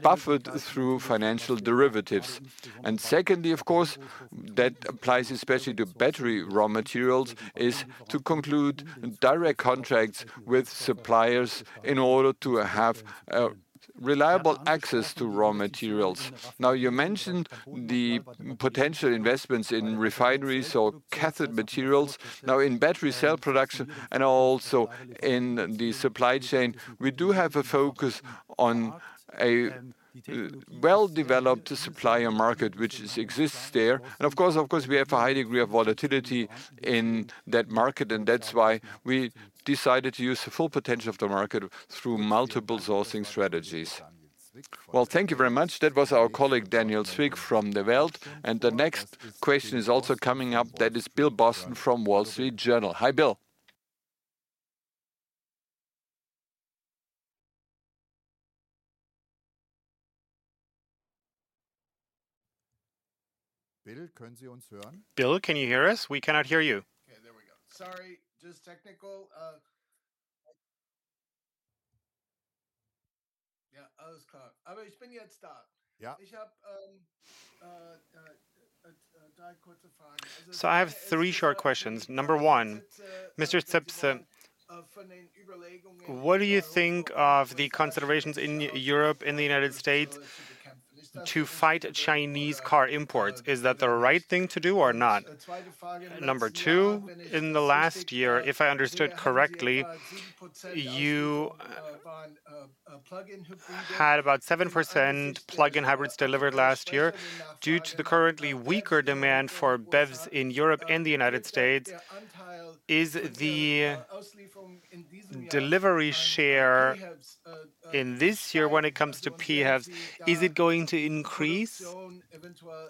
J: buffered through financial derivatives. And secondly, of course, that applies especially to battery raw materials, is to conclude direct contracts with suppliers in order to have reliable access to raw materials. Now, you mentioned the potential investments in refineries or cathode materials. Now, in battery cell production and also in the supply chain, we do have a focus on a well-developed supplier market, which exists there. And of course, of course, we have a high degree of volatility in that market, and that's why we decided to use the full potential of the market through multiple sourcing strategies.
F: Well, thank you very much. That was our colleague, Daniel Zwick, from Die Welt, and the next question is also coming up. That is Bill Boston from The Wall Street Journal. Hi, Bill. Bill, can you hear us? We cannot hear you.
K: Okay, there we go. Sorry, just technical. Yeah, alles klar. Aber ich bin jetzt da. Ja. Ich hab drei kurze Fragen. I have three short questions. Number one, Mr. Zipse, what do you think of the considerations in Europe and the United States to fight Chinese car imports? Is that the right thing to do or not? Number two, in the last year, if I understood correctly, you had about 7% plug-in hybrids delivered last year. Due to the currently weaker demand for BEVs in Europe and the United States, is the delivery share in this year when it comes to PHEVs, is it going to increase? Eventuell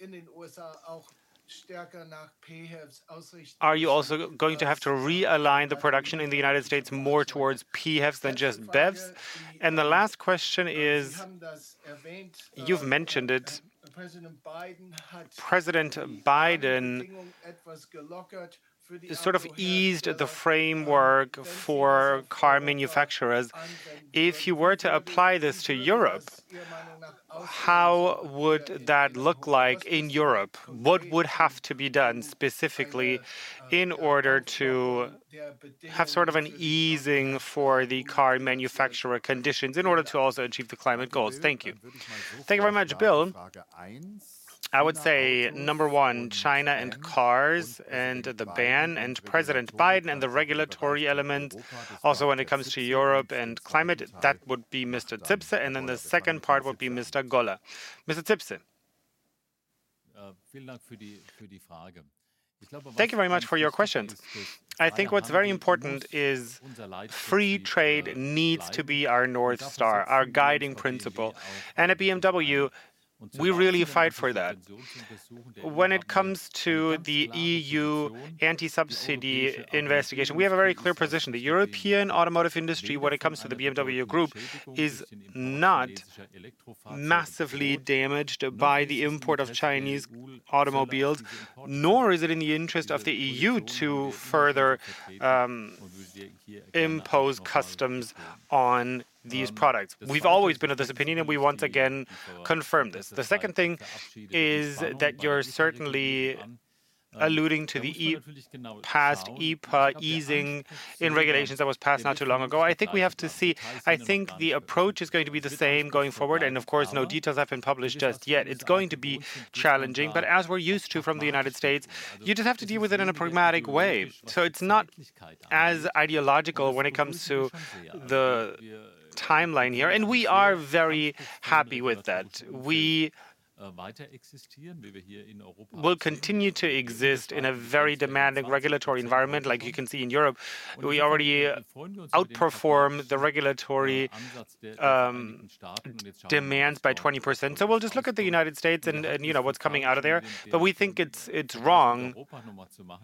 K: in den USA auch stärker nach PHEVs ausrichtet. Are you also going to have to realign the production in the United States more towards PHEVs than just BEVs? And the last question is- Wir haben das erwähnt-
G: You've mentioned it. President Biden had- President Biden- Etwas gelockert ... sort of eased the framework for car manufacturers. If you were to apply this to Europe, how would that look like in Europe? What would have to be done specifically in order to have sort of an easing for the car manufacturer conditions in order to also achieve the climate goals? Thank you.
F: Thank you very much, Bill. I would say, number one, China and cars and the ban, and President Biden and the regulatory element, also when it comes to Europe and climate, that would be Mr. Zipse, and then the second part would be Mr. Goller. Mr. Zipse. Thank you very much for your questions. I think what's very important is free trade needs to be our North Star, our guiding principle, and at BMW, we really fight for that. When it comes to the EU anti-subsidy investigation, we have a very clear position. The European automotive industry, when it comes to the BMW Group, is not massively damaged by the import of Chinese automobiles, nor is it in the interest of the EU to further impose customs on these products. We've always been of this opinion, and we once again confirm this. The second thing is that you're certainly alluding to the EPA's past easing in regulations that was passed not too long ago. I think we have to see. I think the approach is going to be the same going forward, and of course, no details have been published just yet. It's going to be challenging, but as we're used to from the United States, you just have to deal with it in a pragmatic way. So it's not as ideological when it comes to the timeline here, and we are very happy with that. We will continue to exist in a very demanding regulatory environment, like you can see in Europe. We already outperform the regulatory demands by 20%. So we'll just look at the United States and, and, you know, what's coming out of there. But we think it's, it's wrong,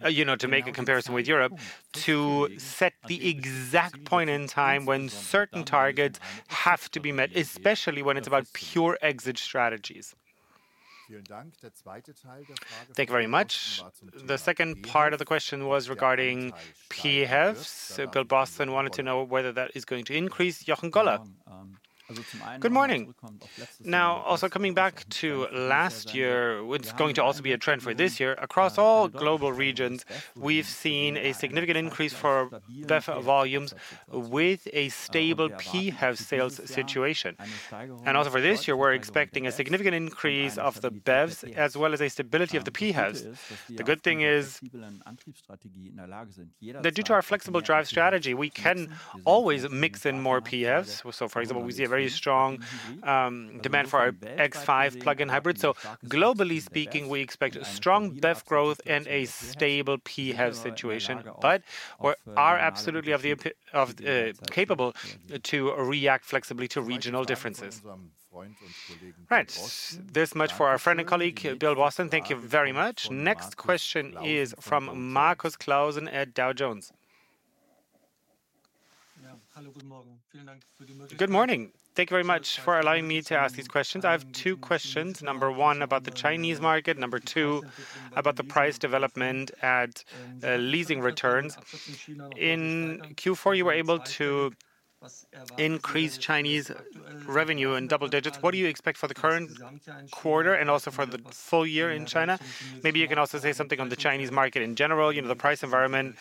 F: you know, to make a comparison with Europe, to set the exact point in time when certain targets have to be met, especially when it's about pure exit strategies. Thank you very much. The second part of the question was regarding PHEVs. So Bill Boston wanted to know whether that is going to increase. Jochen Goller?
J: Good morning. Now, also coming back to last year, it's going to also be a trend for this year, across all global regions, we've seen a significant increase for BEV volumes with a stable PHEV sales situation. Also for this year, we're expecting a significant increase of the BEVs as well as a stability of the PHEVs. The good thing is that due to our flexible drive strategy, we can always mix in more PHEVs. So for example, we see a very strong demand for our X5 plug-in hybrid. So globally speaking, we expect a strong BEV growth and a stable PHEV situation, but we are absolutely capable to react flexibly to regional differences.
F: Right. This much for our friend and colleague, Bill Boston. Thank you very much. Next question is from Markus Klausen at Dow Jones.
L: Yeah. Hello, good morning. Good morning. Thank you very much for allowing me to ask these questions. I have two questions, number one, about the Chinese market, number two, about the price development at leasing returns. In Q4, you were able to increase Chinese revenue in double digits. What do you expect for the current quarter and also for the full year in China? Maybe you can also say something on the Chinese market in general, you know, the price environment.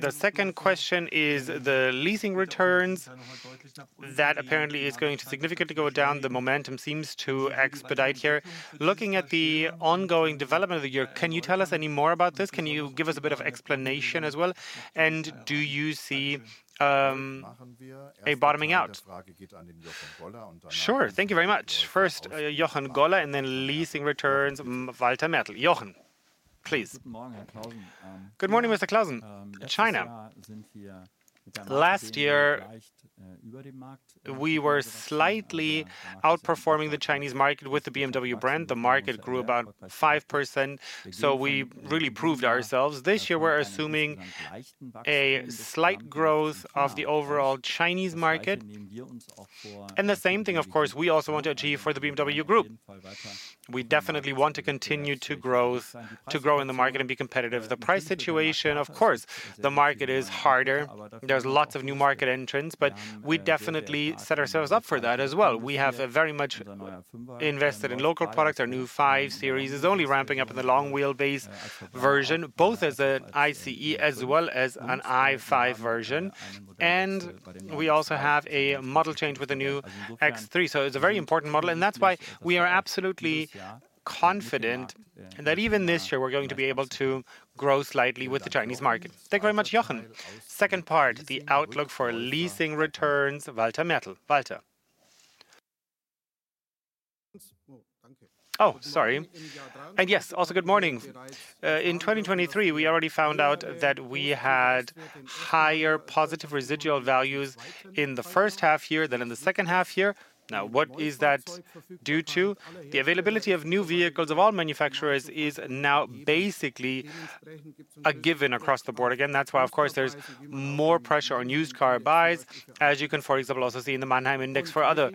L: The second question is the leasing returns. That apparently is going to significantly go down. The momentum seems to expedite here. Looking at the ongoing development of the year, can you tell us any more about this? Can you give us a bit of explanation as well, and do you see a bottoming out?
F: Sure. Thank you very much. First, Jochen Goller, and then leasing returns, Walter Mertl. Jochen, please.
J: Good morning, Mr. Klausen. China. Last year, we were slightly outperforming the Chinese market with the BMW brand. The market grew about 5%, so we really proved ourselves. This year, we're assuming a slight growth of the overall Chinese market, and the same thing, of course, we also want to achieve for the BMW Group. We definitely want to continue to growth, to grow in the market and be competitive. The price situation, of course, the market is harder. There's lots of new market entrants, but we definitely set ourselves up for that as well. We have very much invested in local products. Our new i5 series is only ramping up in the long wheelbase version, both as an ICE as well as an i5 version, and we also have a model change with the new X3. So it's a very important model, and that's why we are absolutely confident that even this year we're going to be able to grow slightly with the Chinese market. Thank you very much, Jochen. Second part, the outlook for leasing returns, Walter Mertl. Walter? Oh, sorry. And yes, also good morning. In 2023, we already found out that we had higher positive residual values in the first half year than in the second half year. Now, what is that due to? The availability of new vehicles of all manufacturers is now basically a given across the board. Again, that's why, of course, there's more pressure on used car buys, as you can, for example, also see in the Manheim index for other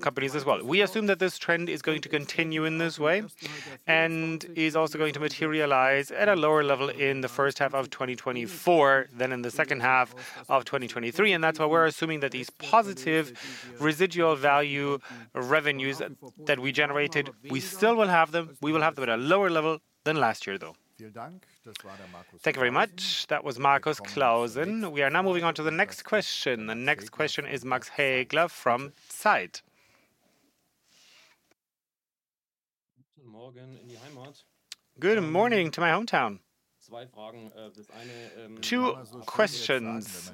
J: companies as well. We assume that this trend is going to continue in this way and is also going to materialize at a lower level in the first half of 2024 than in the second half of 2023, and that's why we're assuming that these positive residual value revenues that we generated, we still will have them. We will have them at a lower level than last year, though.
F: Thank you very much. That was Markus Klausen. We are now moving on to the next question. The next question is Max Hägler from Zeit. Good morning to my hometown. Two questions.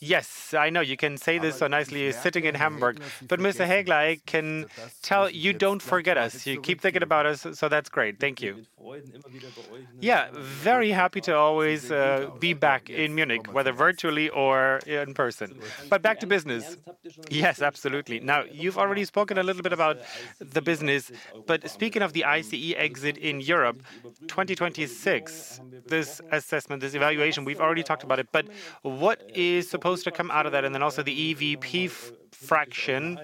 F: Yes, I know you can say this so nicely sitting in Hamburg, but Mr. Hägler, I can tell you don't forget us. You keep thinking about us, so that's great. Thank you. Yeah, very happy to always be back in Munich, whether virtually or in person. But back to business.
G: Yes, absolutely. Now, you've already spoken a little bit about the business, but speaking of the ICE exit in Europe, 2026, this assessment, this evaluation, we've already talked about it, but what is supposed to come out of that? And then also the EVP fraction,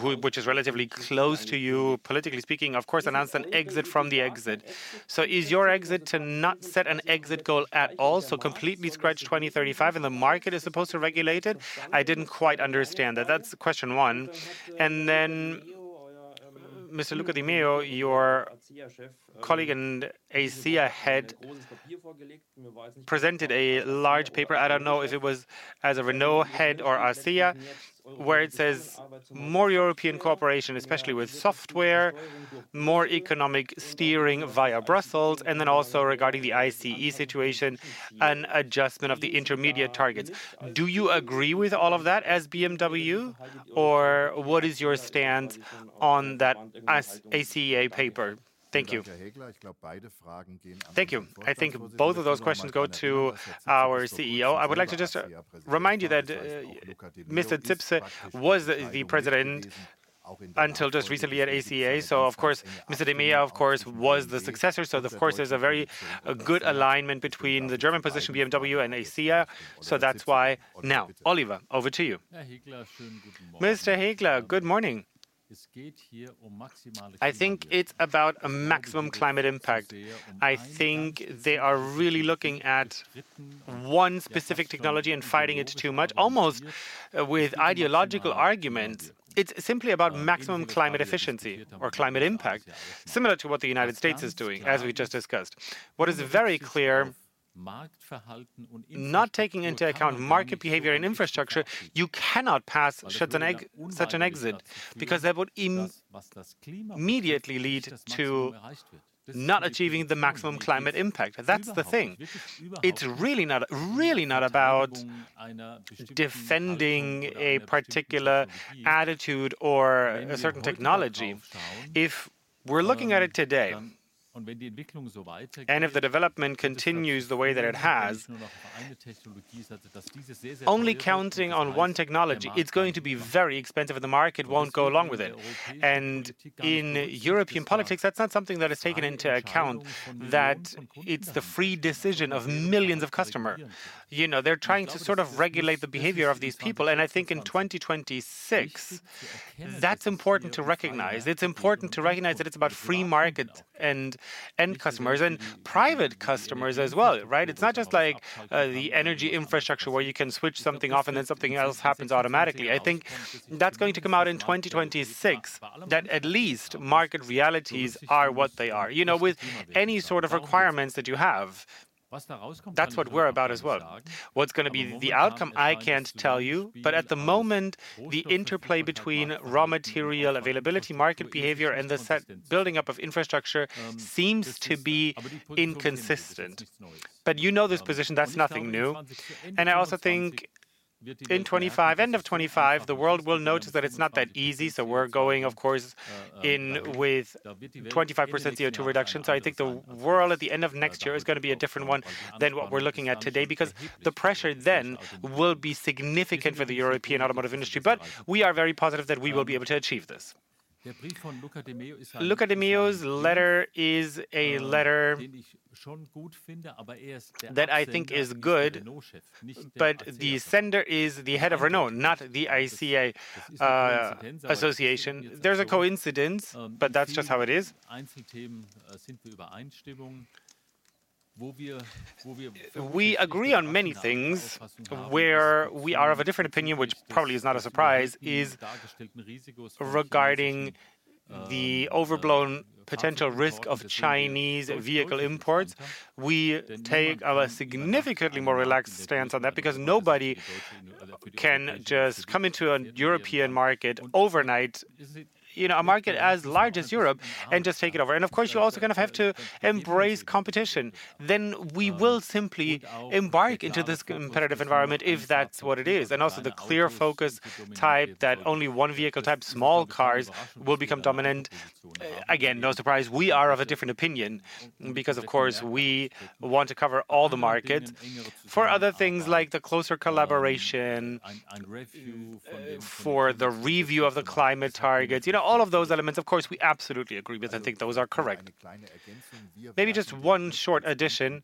G: which, which is relatively close to you, politically speaking, of course, announced an exit from the exit. So is your exit to not set an exit goal at all, so completely scratch 2035 and the market is supposed to regulate it? I didn't quite understand that. That's question one. And then, Mr. Luca de Meo, your colleague and ACEA head, presented a large paper. I don't know if it was as a Renault head or ACEA, where it says, "More European cooperation, especially with software, more economic steering via Brussels," and then also regarding the ICE situation, an adjustment of the intermediate targets. Do you agree with all of that as BMW, or what is your stance on that as ACEA paper? Thank you. Thank you. I think both of those questions go to our CEO. I would like to just remind you that Mr. Zipse was the president until just recently at ACEA, so of course, Mr. de Meo, of course, was the successor. So of course, there's a very good alignment between the German position, BMW, and ACEA. So that's why. Now, Oliver, over to you.
A: Mr. Hägler, good morning. I think it's about a maximum climate impact. I think they are really looking at one specific technology and fighting it too much, almost with ideological arguments. It's simply about maximum climate efficiency or climate impact, similar to what the United States is doing, as we just discussed. What is very clear, not taking into account market behavior and infrastructure, you cannot pass such an exit, because that would immediately lead to not achieving the maximum climate impact. That's the thing. It's really not, really not about defending a particular attitude or a certain technology. If we're looking at it today, and if the development continues the way that it has, only counting on one technology, it's going to be very expensive, and the market won't go along with it. And in European politics, that's not something that is taken into account, that it's the free decision of millions of customers. You know, they're trying to sort of regulate the behavior of these people, and I think in 2026, that's important to recognize. It's important to recognize that it's about free market and end customers, and private customers as well, right? It's not just like, the energy infrastructure, where you can switch something off and then something else happens automatically. I think that's going to come out in 2026, that at least market realities are what they are. You know, with any sort of requirements that you have, that's what we're about as well. What's gonna be the outcome, I can't tell you, but at the moment, the interplay between raw material availability, market behavior, and the set building up of infrastructure seems to be inconsistent. But you know this position, that's nothing new. And I also think in 2025, end of 2025, the world will notice that it's not that easy, so we're going, of course, in with 25% CO2 reduction. So I think the world at the end of next year is gonna be a different one than what we're looking at today, because the pressure then will be significant for the European automotive industry. But we are very positive that we will be able to achieve this. Luca de Meo's letter is a letter that I think is good, but the sender is the head of Renault, not the ACEA Association. There's a coincidence, but that's just how it is. We agree on many things. Where we are of a different opinion, which probably is not a surprise, is regarding the overblown potential risk of Chinese vehicle imports. We take a significantly more relaxed stance on that, because nobody can just come into a European market overnight, you know, a market as large as Europe, and just take it over. Of course, you're also going to have to embrace competition. Then we will simply embark into this competitive environment, if that's what it is. And also the clear focus type that only one vehicle type, small cars, will become dominant, again, no surprise, we are of a different opinion. Because, of course, we want to cover all the markets. For other things, like the closer collaboration and, and for the review of the climate targets, you know, all of those elements, of course, we absolutely agree with. I think those are correct. Maybe just one short addition.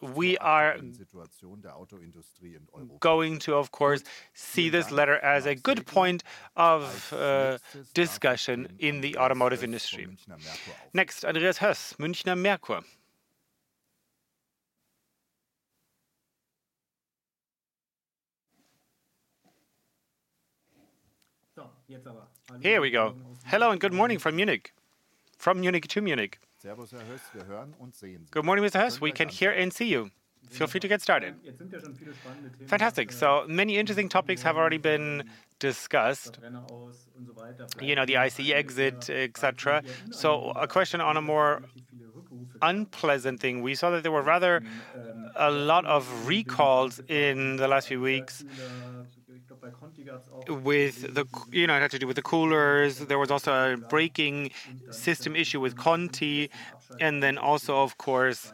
A: We are going to, of course, see this letter as a good point of discussion in the automotive industry.
F: Next, Andreas Höß, Münchner Merkur. Here we go. Hello, and good morning from Munich. From Munich to Munich. Good morning, Mr. Höß. We can hear and see you. Feel free to get started.
M: Fantastic. So many interesting topics have already been discussed, you know, the ICE exit, et cetera. So a question on a more unpleasant thing. We saw that there were rather a lot of recalls in the last few weeks with the coolers. You know, it had to do with the coolers. There was also a braking system issue with Conti, and then also, of course,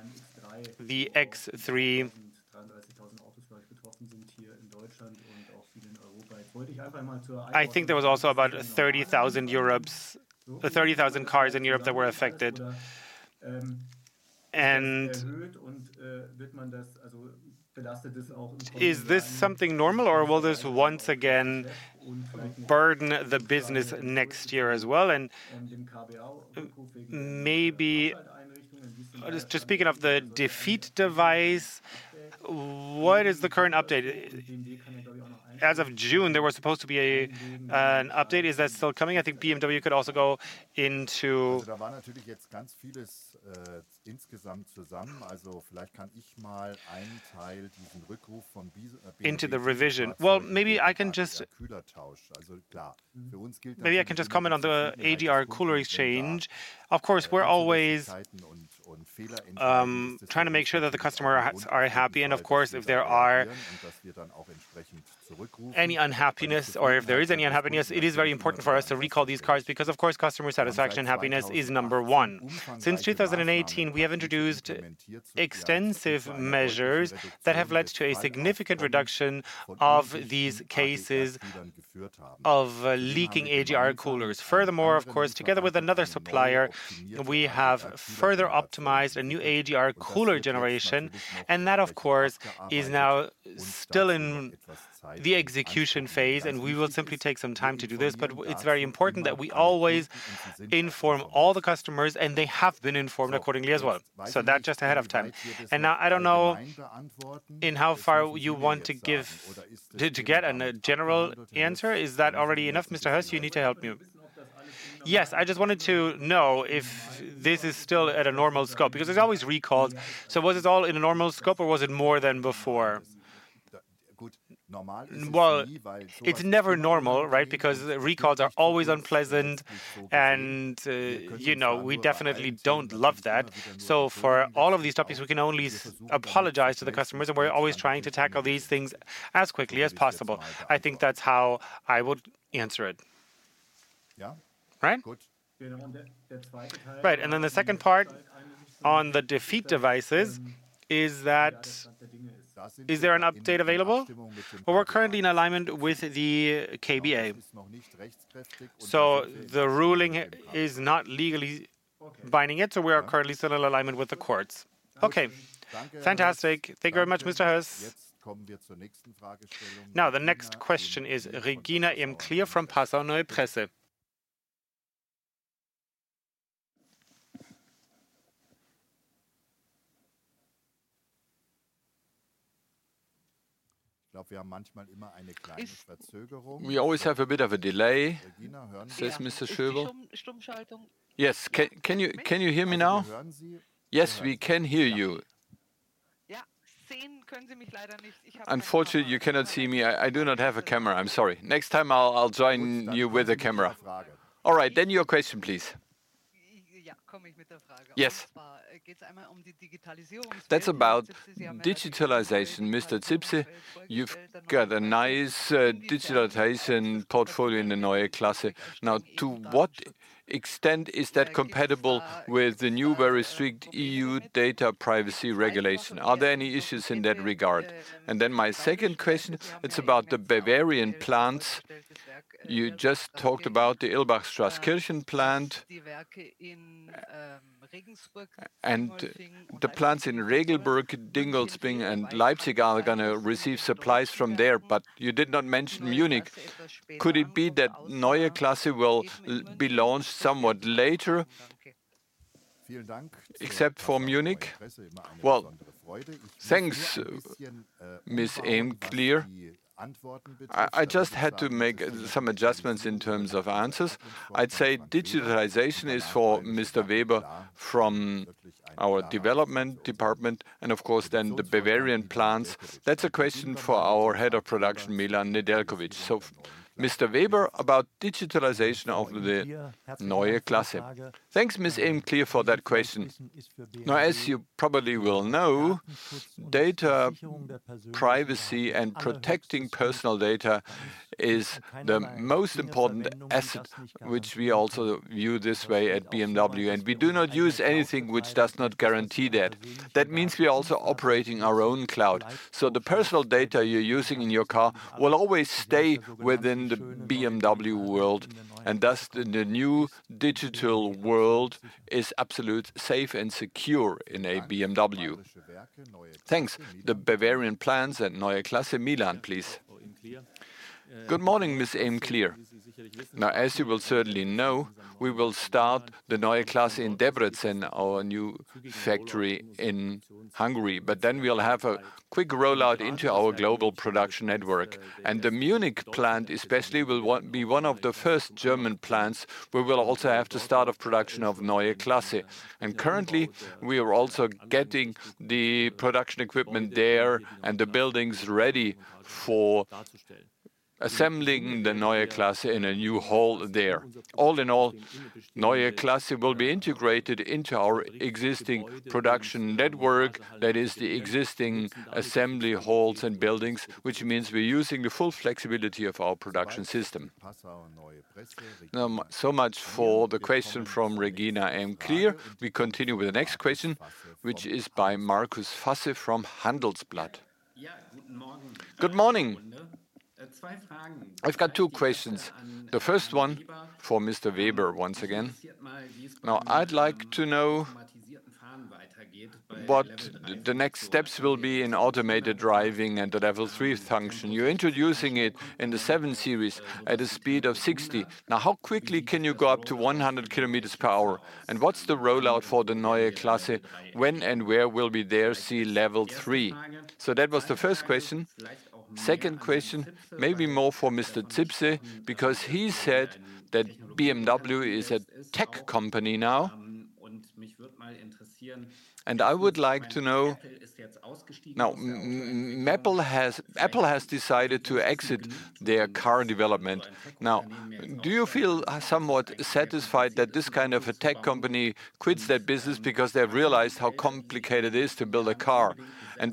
M: the X3. I think there was also about 30,000 in Europe - 30,000 cars in Europe that were affected. Is this something normal or will this once again burden the business next year as well? And maybe just speaking of the defeat device, what is the current update? As of June, there was supposed to be an update. Is that still coming? I think BMW could also go into the revision.
A: Well, maybe I can just comment on the EGR cooler exchange. Of course, we're always trying to make sure that the customer are happy. And of course, if there are any unhappiness or if there is any unhappiness, it is very important for us to recall these cars, because, of course, customer satisfaction and happiness is number one. Since 2018, we have introduced extensive measures that have led to a significant reduction of these cases of leaking EGR coolers. Furthermore, of course, together with another supplier, we have further optimized a new EGR cooler generation, and that, of course, is now still in the execution phase, and we will simply take some time to do this. But it's very important that we always inform all the customers, and they have been informed accordingly as well. So that's just ahead of time. Now I don't know how far you want to go to get a general answer. Is that already enough, Mr. Höß? You need to help me. Yes, I just wanted to know if this is still at a normal scope, because there's always recalls. So was this all in a normal scope or was it more than before? Well, it's never normal, right? Because recalls are always unpleasant and, you know, we definitely don't love that. So for all of these topics, we can only apologize to the customers, and we're always trying to tackle these things as quickly as possible. I think that's how I would answer it.
M: Yeah.
A: Right?
M: Good.
A: Right, and then the second part on the defeat devices is that, is there an update available? Well, we're currently in alignment with the KBA, so the ruling is not legally binding yet, so we are currently still in alignment with the courts.
F: Okay, fantastic. Thank you very much, Mr. Höß. Now, the next question is Regina Ehm-Klier from Passauer Neue Presse. We always have a bit of a delay, says Mr. Schöberl. Yes. Can you hear me now? Yes, we can hear you. Yeah. Unfortunately, you cannot see me. I do not have a camera. I'm sorry. Next time I'll join you with a camera. All right, then your question, please. Yes. That's about digitalization. Mr. Zipse, you've got a nice digitalization portfolio in the Neue Klasse. Now, to what extent is that compatible with the new, very strict EU data privacy regulation? Are there any issues in that regard? And then my second question, it's about the Bavarian plants. You just talked about the Irlbach-Straßkirchen plant, and the plants in Regensburg, Dingolfing, and Leipzig are going to receive supplies from there, but you did not mention Munich. Could it be that Neue Klasse will be launched somewhat later?... Vielen Dank! Except for Munich. Well, thanks, Ms. Amann. I just had to make some adjustments in terms of answers. I'd say digitalization is for Mr. Weber from our development department, and of course, then the Bavarian plants, that's a question for our head of production, Milan Nedeljković. So, Mr. Weber, about digitalization of the Neue Klasse. Thanks, Ms. Ehm-Klier, for that question. Now, as you probably will know, data privacy and protecting personal data is the most important asset, which we also view this way at BMW, and we do not use anything which does not guarantee that. That means we're also operating our own cloud. So the personal data you're using in your car will always stay within the BMW world, and thus, the new digital world is absolute safe and secure in a BMW. Thanks. The Bavarian plans at Neue Klasse, Milan, please. Good morning, Ms. Ehm-Klier. Now, as you will certainly know, we will start the Neue Klasse in Debrecen, our new factory in Hungary. But then we'll have a quick rollout into our global production network, and the Munich plant especially will be one of the first German plants where we'll also have to start off production of Neue Klasse. And currently, we are also getting the production equipment there and the buildings ready for assembling the Neue Klasse in a new hall there. All in all, Neue Klasse will be integrated into our existing production network, that is, the existing assembly halls and buildings, which means we're using the full flexibility of our production system. Now, so much for the question from Regina Ehm-Klier. We continue with the next question, which is by Markus Fasse from Handelsblatt.
N: Yeah, good morning. Good morning. I've got two questions, the first one for Mr. Weber once again. Now, I'd like to know what the next steps will be in automated driving and the Level 3 function. You're introducing it in the 7 Series at a speed of 60. Now, how quickly can you go up to 100 kilometers per hour, and what's the rollout for the Neue Klasse? When and where will we there see Level 3? So that was the first question. Second question, maybe more for Mr. Zipse, because he said that BMW is a tech company now. And I would like to know... Now, Apple has decided to exit their car development. Now, do you feel somewhat satisfied that this kind of a tech company quits that business because they've realized how complicated it is to build a car?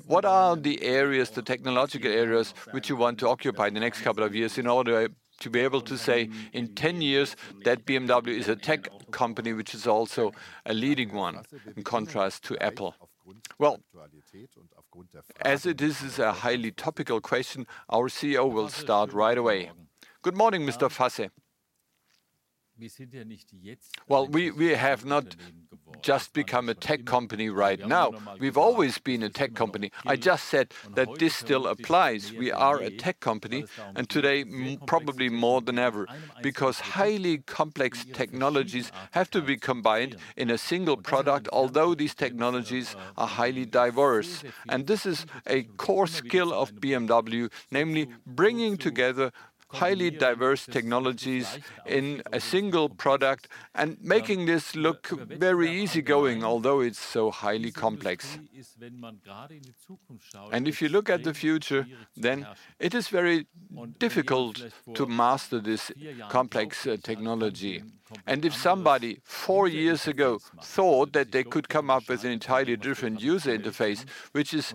N: What are the areas, the technological areas, which you want to occupy in the next couple of years in order to be able to say, in 10 years, that BMW is a tech company, which is also a leading one, in contrast to Apple?
F: Well, as it is a highly topical question, our CEO will start right away.
A: Good morning, Mr. Fasse. Well, we have not just become a tech company right now. We've always been a tech company. I just said that this still applies. We are a tech company, and today, probably more than ever, because highly complex technologies have to be combined in a single product, although these technologies are highly diverse. And this is a core skill of BMW, namely bringing together highly diverse technologies in a single product and making this look very easygoing, although it's so highly complex. And if you look at the future, then it is very difficult to master this complex technology. And if somebody, four years ago, thought that they could come up with an entirely different user interface, which is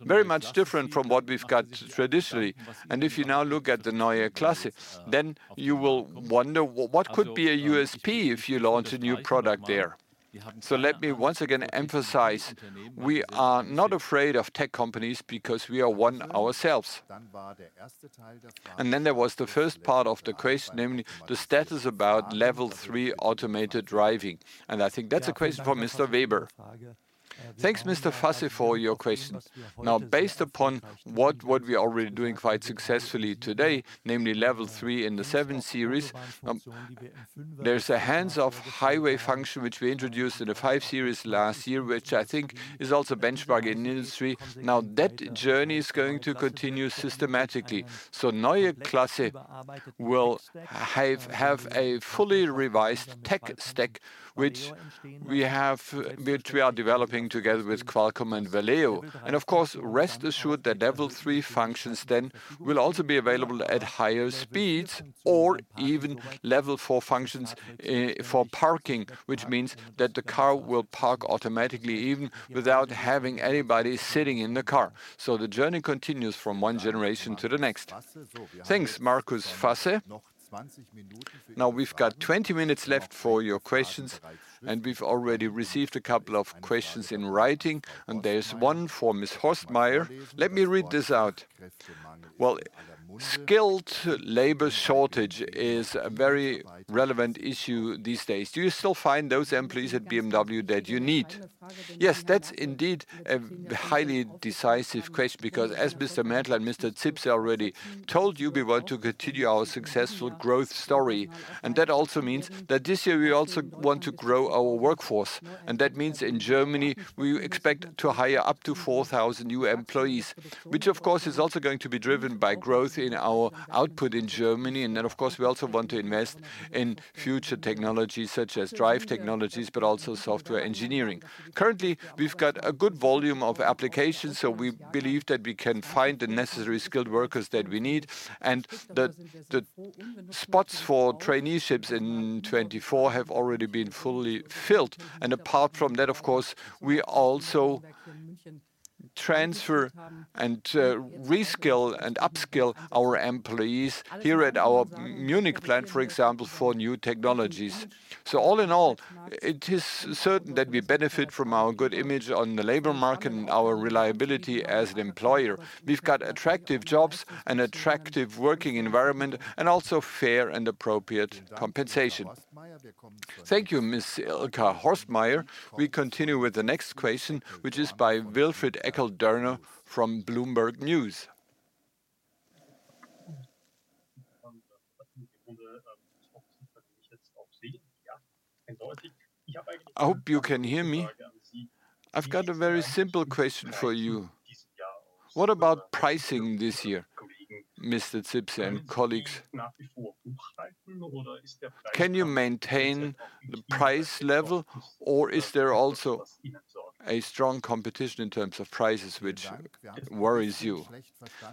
A: very much different from what we've got traditionally, and if you now look at the Neue Klasse, then you will wonder, what could be a USP if you launch a new product there? So let me once again emphasize, we are not afraid of tech companies because we are one ourselves. And then there was the first part of the question, namely the status about Level 3 automated driving, and I think that's a question for Mr. Weber.
O: Thanks, Mr. Fasse, for your question. Now, based upon what we are already doing quite successfully today, namely Level 3 in the 7 Series, there's a hands-off highway function which we introduced in the 5 Series last year, which I think is also benchmark in the industry. Now, that journey is going to continue systematically. So Neue Klasse will have a fully revised tech stack, which we are developing together with Qualcomm and Valeo. And of course, rest assured, the Level 3 functions then will also be available at higher speeds or even Level 4 functions for parking, which means that the car will park automatically, even without having anybody sitting in the car. So the journey continues from one generation to the next.
F: Thanks, Markus Fasse. Now, we've got 20 minutes left for your questions, and we've already received a couple of questions in writing, and there's one for Ms. Horstmeier. Let me read this out. Skilled labor shortage is a very relevant issue these days. Do you still find those employees at BMW that you need? Yes, that's indeed a highly decisive question, because as Mr. Mertl and Mr. Zipse already told you, we want to continue our successful growth story, and that also means that this year we also want to grow our workforce. And that means in Germany, we expect to hire up to 4,000 new employees, which of course is also going to be driven by growth in our output in Germany. And then, of course, we also want to invest in future technologies such as drive technologies, but also software engineering. Currently, we've got a good volume of applications, so we believe that we can find the necessary skilled workers that we need, and that the spots for traineeships in 2024 have already been fully filled. Apart from that, of course, we also transfer and reskill and upskill our employees here at our Munich plant, for example, for new technologies. All in all, it is certain that we benefit from our good image on the labor market and our reliability as an employer. We've got attractive jobs and attractive working environment, and also fair and appropriate compensation. Thank you, Miss Ilka Horstmeier. We continue with the next question, which is by Wilfried Eckl-Dorna from Bloomberg News. I hope you can hear me. I've got a very simple question for you. What about pricing this year, Mr. Zipse and colleagues? Can you maintain the price level, or is there also a strong competition in terms of prices which worries you?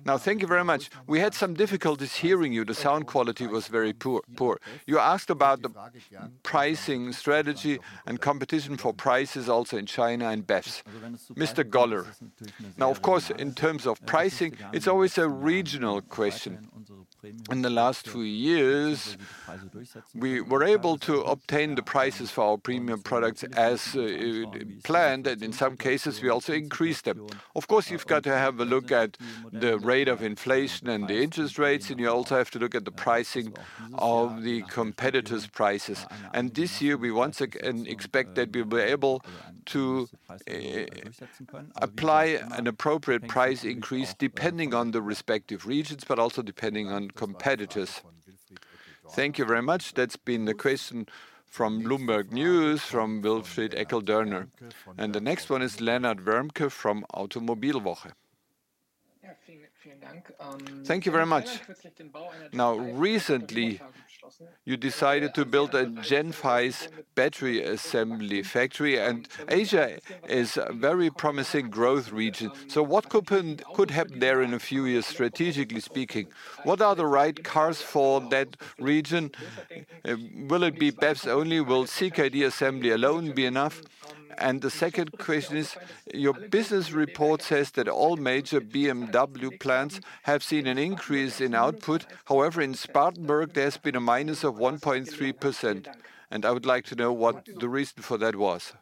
F: Now, thank you very much. We had some difficulties hearing you. The sound quality was very poor, poor. You asked about the pricing strategy and competition for prices also in China and BEVs. Mr. Goller.
J: Now, of course, in terms of pricing, it's always a regional question. In the last few years, we were able to obtain the prices for our premium products as planned, and in some cases, we also increased them. Of course, you've got to have a look at the rate of inflation and the interest rates, and you also have to look at the pricing of the competitors' prices. And this year, we once again expect that we'll be able to apply an appropriate price increase, depending on the respective regions, but also depending on competitors. Thank you very much. That's been the question from Bloomberg News, from Wilfried Eckl-Dorna. And the next one is Lennart Wermke from Automobilwoche. Thank you very much. Now, recently, you decided to build a Gen5 battery assembly factory, and Asia is a very promising growth region. So what could happen there in a few years, strategically speaking? What are the right cars for that region? Will it be BEVs only? Will CKD assembly alone be enough? And the second question is, your business report says that all major BMW plants have seen an increase in output. However, in Spartanburg, there's been -1.3%, and I would like to know what the reason for that was.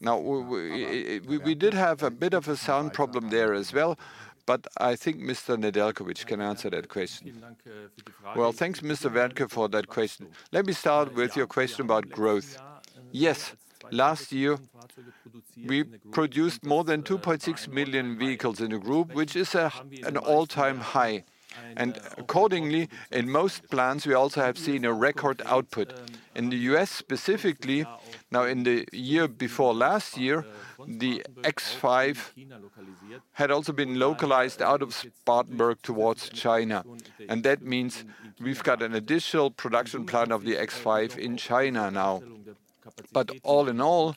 G: Now, we did have a bit of a sound problem there as well, but I think Mr. Nedeljković can answer that question. Well, thanks, Mr. Wermke, for that question. Let me start with your question about growth. Yes, last year, we produced more than 2.6 million vehicles in the group, which is an all-time high. And accordingly, in most plants, we also have seen a record output. In the U.S. specifically, now in the year before last year, the X5 had also been localized out of Spartanburg towards China, and that means we've got an additional production plant of the X5 in China now. But all in all,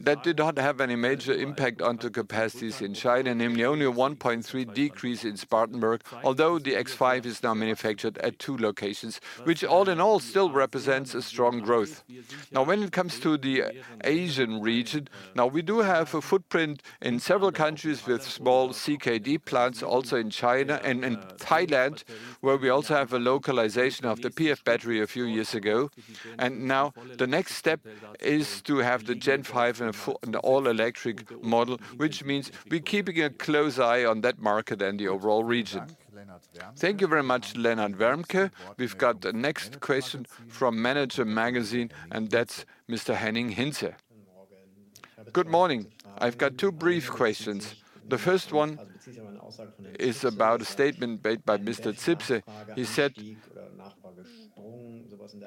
G: that did not have any major impact on the capacities in China, namely only a 1.3 decrease in Spartanburg, although the X5 is now manufactured at two locations, which all in all, still represents a strong growth. Now, when it comes to the Asian region, now we do have a footprint in several countries with small CKD plants, also in China and in Thailand, where we also have a localization of the PHEV battery a few years ago. And now, the next step is to have the Gen 5 and a PHEV and all-electric model, which means we're keeping a close eye on that market and the overall region. Thank you very much, Lennart Wermke. We've got the next question from Manager Magazin, and that's Mr. Henning Hinze. Good morning. I've got two brief questions. The first one is about a statement made by Mr. Zipse. He said,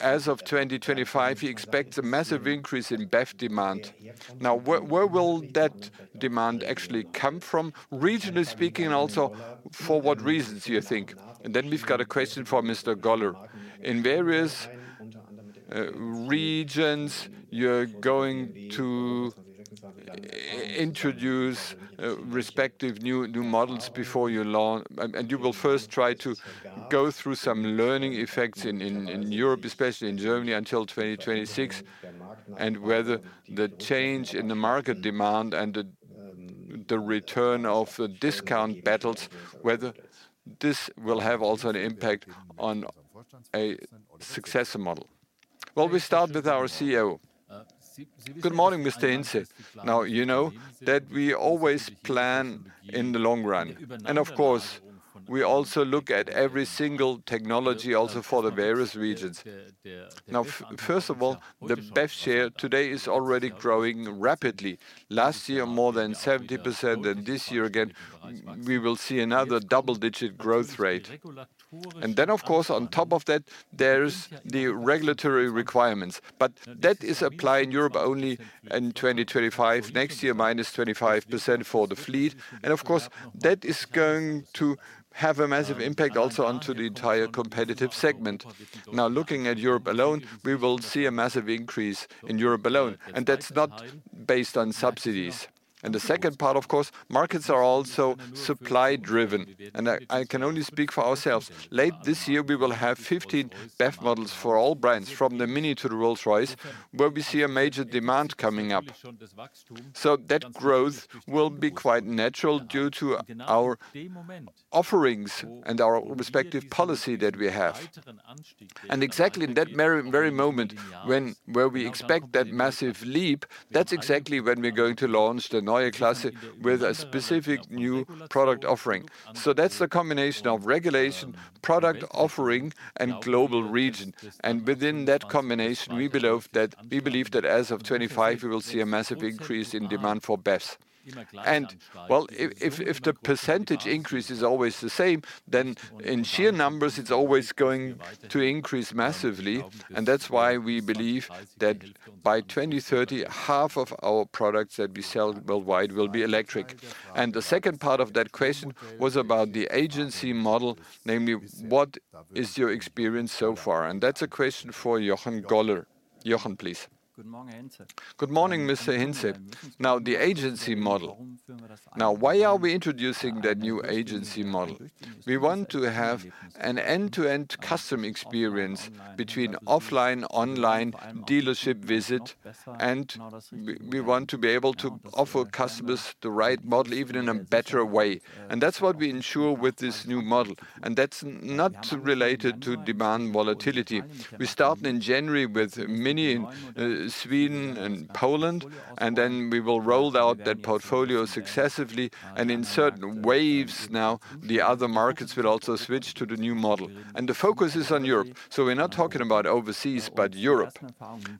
G: "As of 2025, he expects a massive increase in BEV demand." Now, where, where will that demand actually come from, regionally speaking, and also for what reasons do you think? And then we've got a question for Mr. Goller.
F: In various regions, you're going to introduce respective new models before you launch, and you will first try to go through some learning effects in Europe, especially in Germany, until 2026, and whether the change in the market demand and the return of discount battles, whether this will have also an impact on a successor model? Well, we start with our CEO. Good morning, Mr. Hinze. Now, you know that we always plan in the long run, and of course, we also look at every single technology also for the various regions. Now, first of all, the BEV share today is already growing rapidly. Last year, more than 70%, and this year again, we will see another double-digit growth rate.
P: And then, of course, on top of that, there's the regulatory requirements, but that is applied in Europe only in 2025. Next year, -25% for the fleet, and of course, that is going to have a massive impact also onto the entire competitive segment. Now, looking at Europe alone, we will see a massive increase in Europe alone, and that's not based on subsidies. And the second part, of course, markets are also supply-driven, and I, I can only speak for ourselves. Late this year, we will have 15 BEV models for all brands, from the MINI to the Rolls-Royce, where we see a major demand coming up. So that growth will be quite natural due to our offerings and our respective policy that we have. And exactly in that very, very moment when, where we expect that massive leap, that's exactly when we're going to launch the Neue Klasse with a specific new product offering. So that's the combination of regulation, product offering, and global region. And within that combination, we believe that, we believe that as of 2025, we will see a massive increase in demand for BEVs. And, well, if, if, if the percentage increase is always the same, then in sheer numbers it's always going to increase massively, and that's why we believe that by 2030, half of our products that we sell worldwide will be electric. And the second part of that question was about the agency model, namely, what is your experience so far? And that's a question for Jochen Goller. Jochen, please.
J: Good morning, Mr. Hinze. Now, the agency model. Now, why are we introducing the new agency model? We want to have an end-to-end customer experience between offline, online, dealership visit, and we want to be able to offer customers the right model, even in a better way. And that's what we ensure with this new model, and that's not related to demand volatility. We start in January with MINI in Sweden and Poland, and then we will roll out that portfolio successively. And in certain waves now, the other markets will also switch to the new model. And the focus is on Europe, so we're not talking about overseas, but Europe.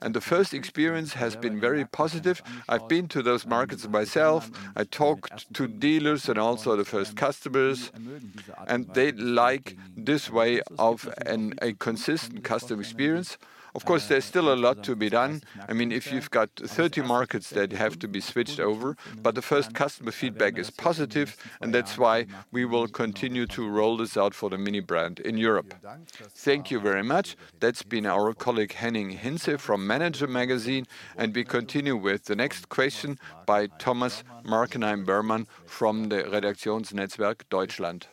J: And the first experience has been very positive. I've been to those markets myself. I talked to dealers and also the first customers, and they like this way of a consistent customer experience. Of course, there's still a lot to be done. I mean, if you've got 30 markets that have to be switched over, but the first customer feedback is positive, and that's why we will continue to roll this out for the MINI brand in Europe.
F: Thank you very much. That's been our colleague, Henning Hinze, from Manager Magazin, and we continue with the next question by Thomas Magenheim from the RedaktionsNetzwerk Deutschland.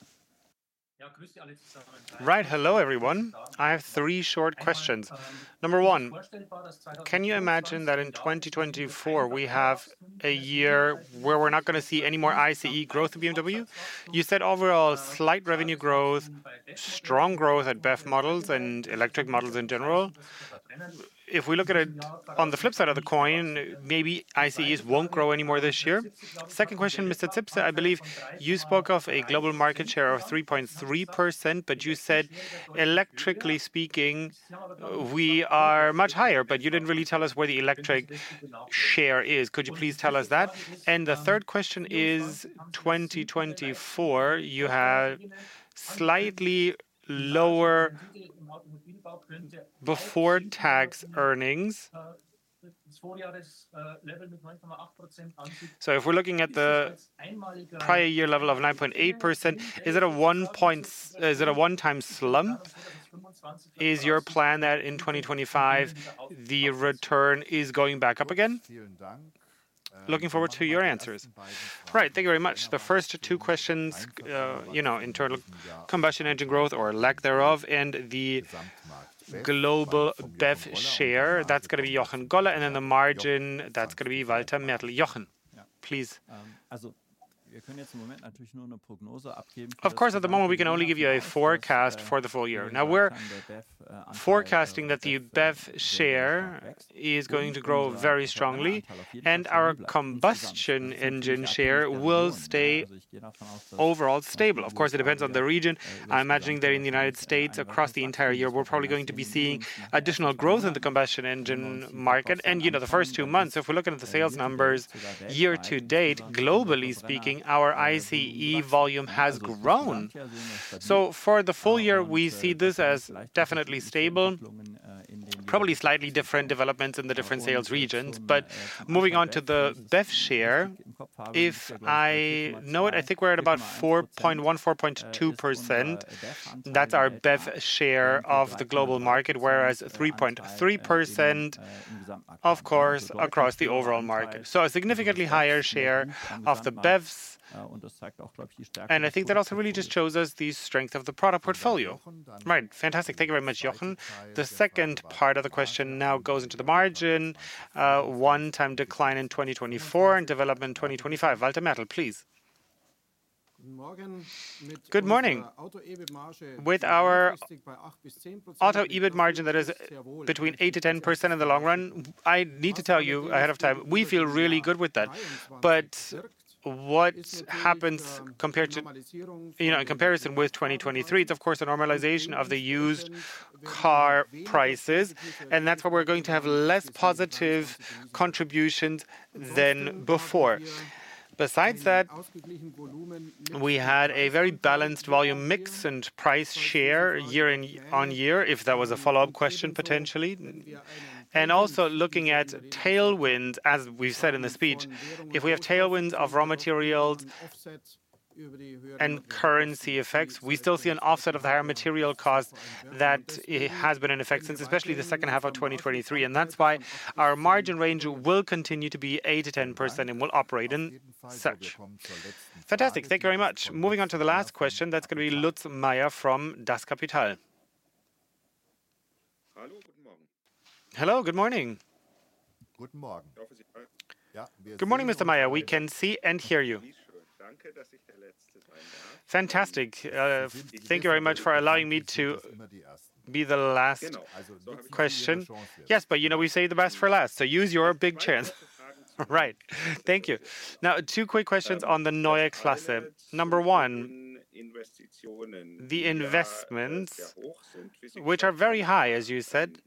G: Right. Hello, everyone. I have three short questions. Number one, can you imagine that in 2024 we have a year where we're not gonna see any more ICE growth at BMW? You said overall, slight revenue growth, strong growth at BEV models and electric models in general. If we look at it on the flip side of the coin, maybe ICEs won't grow any more this year. Second question, Mr. Zipse, I believe you spoke of a global market share of 3.3%, but you said, electrically speaking, we are much higher, but you didn't really tell us where the electric share is. Could you please tell us that? And the third question is, 2024, you had slightly lower before-tax earnings. So if we're looking at the prior year level of 9.8%, is it a one point-- is it a one-time slump? Is your plan that in 2025, the return is going back up again? Looking forward to your answers. Right, thank you very much. The first two questions, you know, internal combustion engine growth or lack thereof, and the global BEV share, that's gonna be Jochen Goller, and then the margin, that's gonna be Walter Mertl. Jochen, please.
J: Of course, at the moment, we can only give you a forecast for the full year. Now, we're forecasting that the BEV share is going to grow very strongly, and our combustion engine share will stay overall stable. Of course, it depends on the region. I'm imagining that in the United States, across the entire year, we're probably going to be seeing additional growth in the combustion engine market. And, you know, the first 2 months, if we're looking at the sales numbers year to date, globally speaking, our ICE volume has grown. So for the full year, we see this as definitely stable, probably slightly different developments in the different sales regions. But moving on to the BEV share, if I know it, I think we're at about 4.1%-4.2%. That's our BEV share of the global market, whereas 3.3%, of course, across the overall market. So a significantly higher share of the BEVs, and I think that also really just shows us the strength of the product portfolio.
G: Right. Fantastic. Thank you very much, Jochen. The second part of the question now goes into the margin, one-time decline in 2024 and development in 2025. Walter Mertl, please. Good morning. With our auto EBIT margin that is between 8%-10% in the long run, I need to tell you ahead of time, we feel really good with that. But what happens compared to, you know, in comparison with 2023, it's of course, a normalization of the used car prices, and that's why we're going to have less positive contributions than before. Besides that, we had a very balanced volume mix and price share year-on-year, if that was a follow-up question, potentially. Also looking at tailwinds, as we've said in the speech, if we have tailwinds of raw materials and currency effects, we still see an offset of the higher material cost that has been in effect since, especially the second half of 2023, and that's why our margin range will continue to be 8%-10% and will operate in such. Fantastic. Thank you very much. Moving on to the last question, that's going to be Lutz Meier from Capital. Hello, good morning. Good morning. Good morning, Mr. Meier, we can see and hear you. Fantastic, thank you very much for allowing me to be the last question. Yes, but, you know, we save the best for last, so use your big chance. Right. Thank you. Now, two quick questions on the Neue Klasse. Number one, the investments, which are very high, as you said,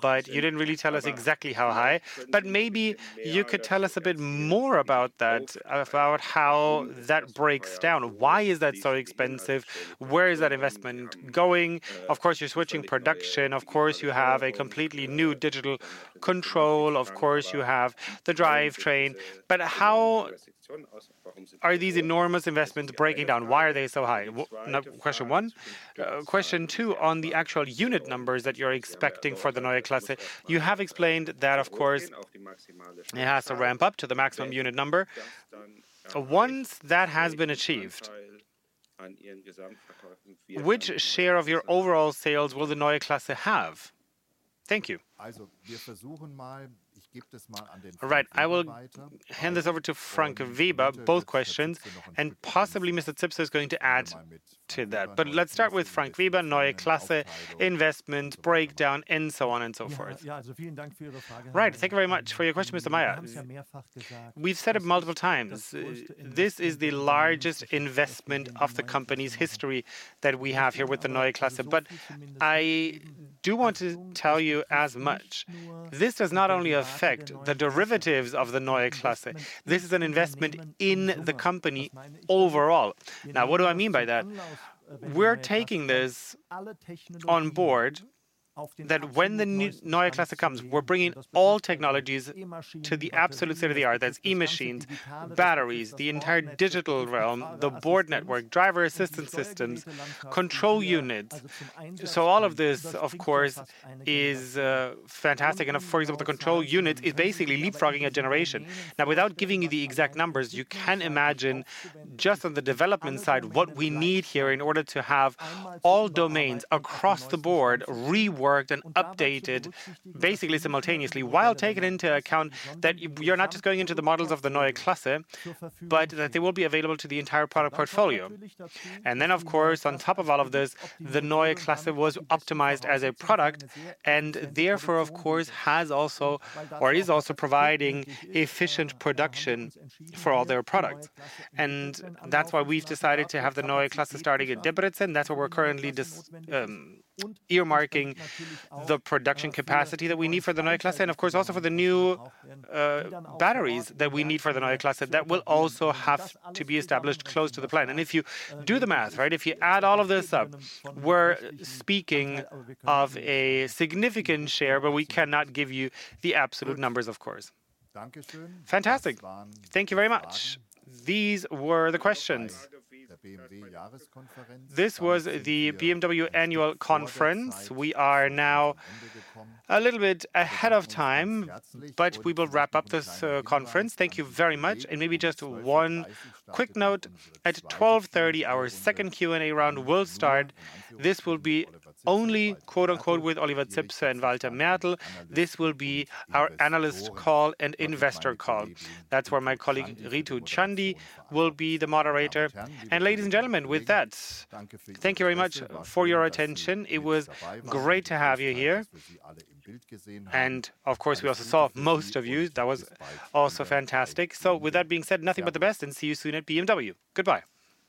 G: but you didn't really tell us exactly how high. But maybe you could tell us a bit more about that, about how that breaks down. Why is that so expensive? Where is that investment going? Of course, you're switching production. Of course, you have a completely new digital control. Of course, you have the drivetrain. But how are these enormous investments breaking down? Why are they so high? Question one. Question two, on the actual unit numbers that you're expecting for the Neue Klasse, you have explained that, of course, it has to ramp up to the maximum unit number. So once that has been achieved, which share of your overall sales will the Neue Klasse have? Thank you. All right, I will hand this over to Frank Weber, both questions, and possibly Mr. Zipse is going to add to that. But let's start with Frank Weber, Neue Klasse investment breakdown, and so on and so forth.
O: Right. Thank you very much for your question, Mr. Meier. We've said it multiple times, this is the largest investment of the company's history that we have here with the Neue Klasse. But I do want to tell you as much, this does not only affect the derivatives of the Neue Klasse, this is an investment in the company overall. Now, what do I mean by that? We're taking this on board, that when the new Neue Klasse comes, we're bringing all technologies to the absolute state-of-the-art. That's e-machines, batteries, the entire digital realm, the board network, driver assistance systems, control units. So all of this, of course, is fantastic. And for example, the control unit is basically leapfrogging a generation. Now, without giving you the exact numbers, you can imagine just on the development side, what we need here in order to have all domains across the board reworked and updated basically simultaneously, while taking into account that you're not just going into the models of the Neue Klasse, but that they will be available to the entire product portfolio. And then, of course, on top of all of this, the Neue Klasse was optimized as a product, and therefore, of course, has also or is also providing efficient production for all their products. And that's why we've decided to have the Neue Klasse starting in Dingolfing, and that's why we're currently earmarking the production capacity that we need for the Neue Klasse, and of course, also for the new batteries that we need for the Neue Klasse, that will also have to be established close to the plant. And if you do the math, right, if you add all of this up, we're speaking of a significant share, but we cannot give you the absolute numbers, of course. Fantastic. Thank you very much. These were the questions. This was the BMW Annual Conference. We are now a little bit ahead of time, but we will wrap up this conference. Thank you very much, and maybe just one quick note, at 12:30 P.M., our second Q&A round will start. This will be only, quote, unquote, "with Oliver Zipse and Walter Mertl." This will be our analyst call and investor call. That's where my colleague, Ritu Chandy, will be the moderator. Ladies and gentlemen, with that, thank you very much for your attention. It was great to have you here. Of course, we also saw most of you. That was also fantastic. With that being said, nothing but the best, and see you soon at BMW. Goodbye.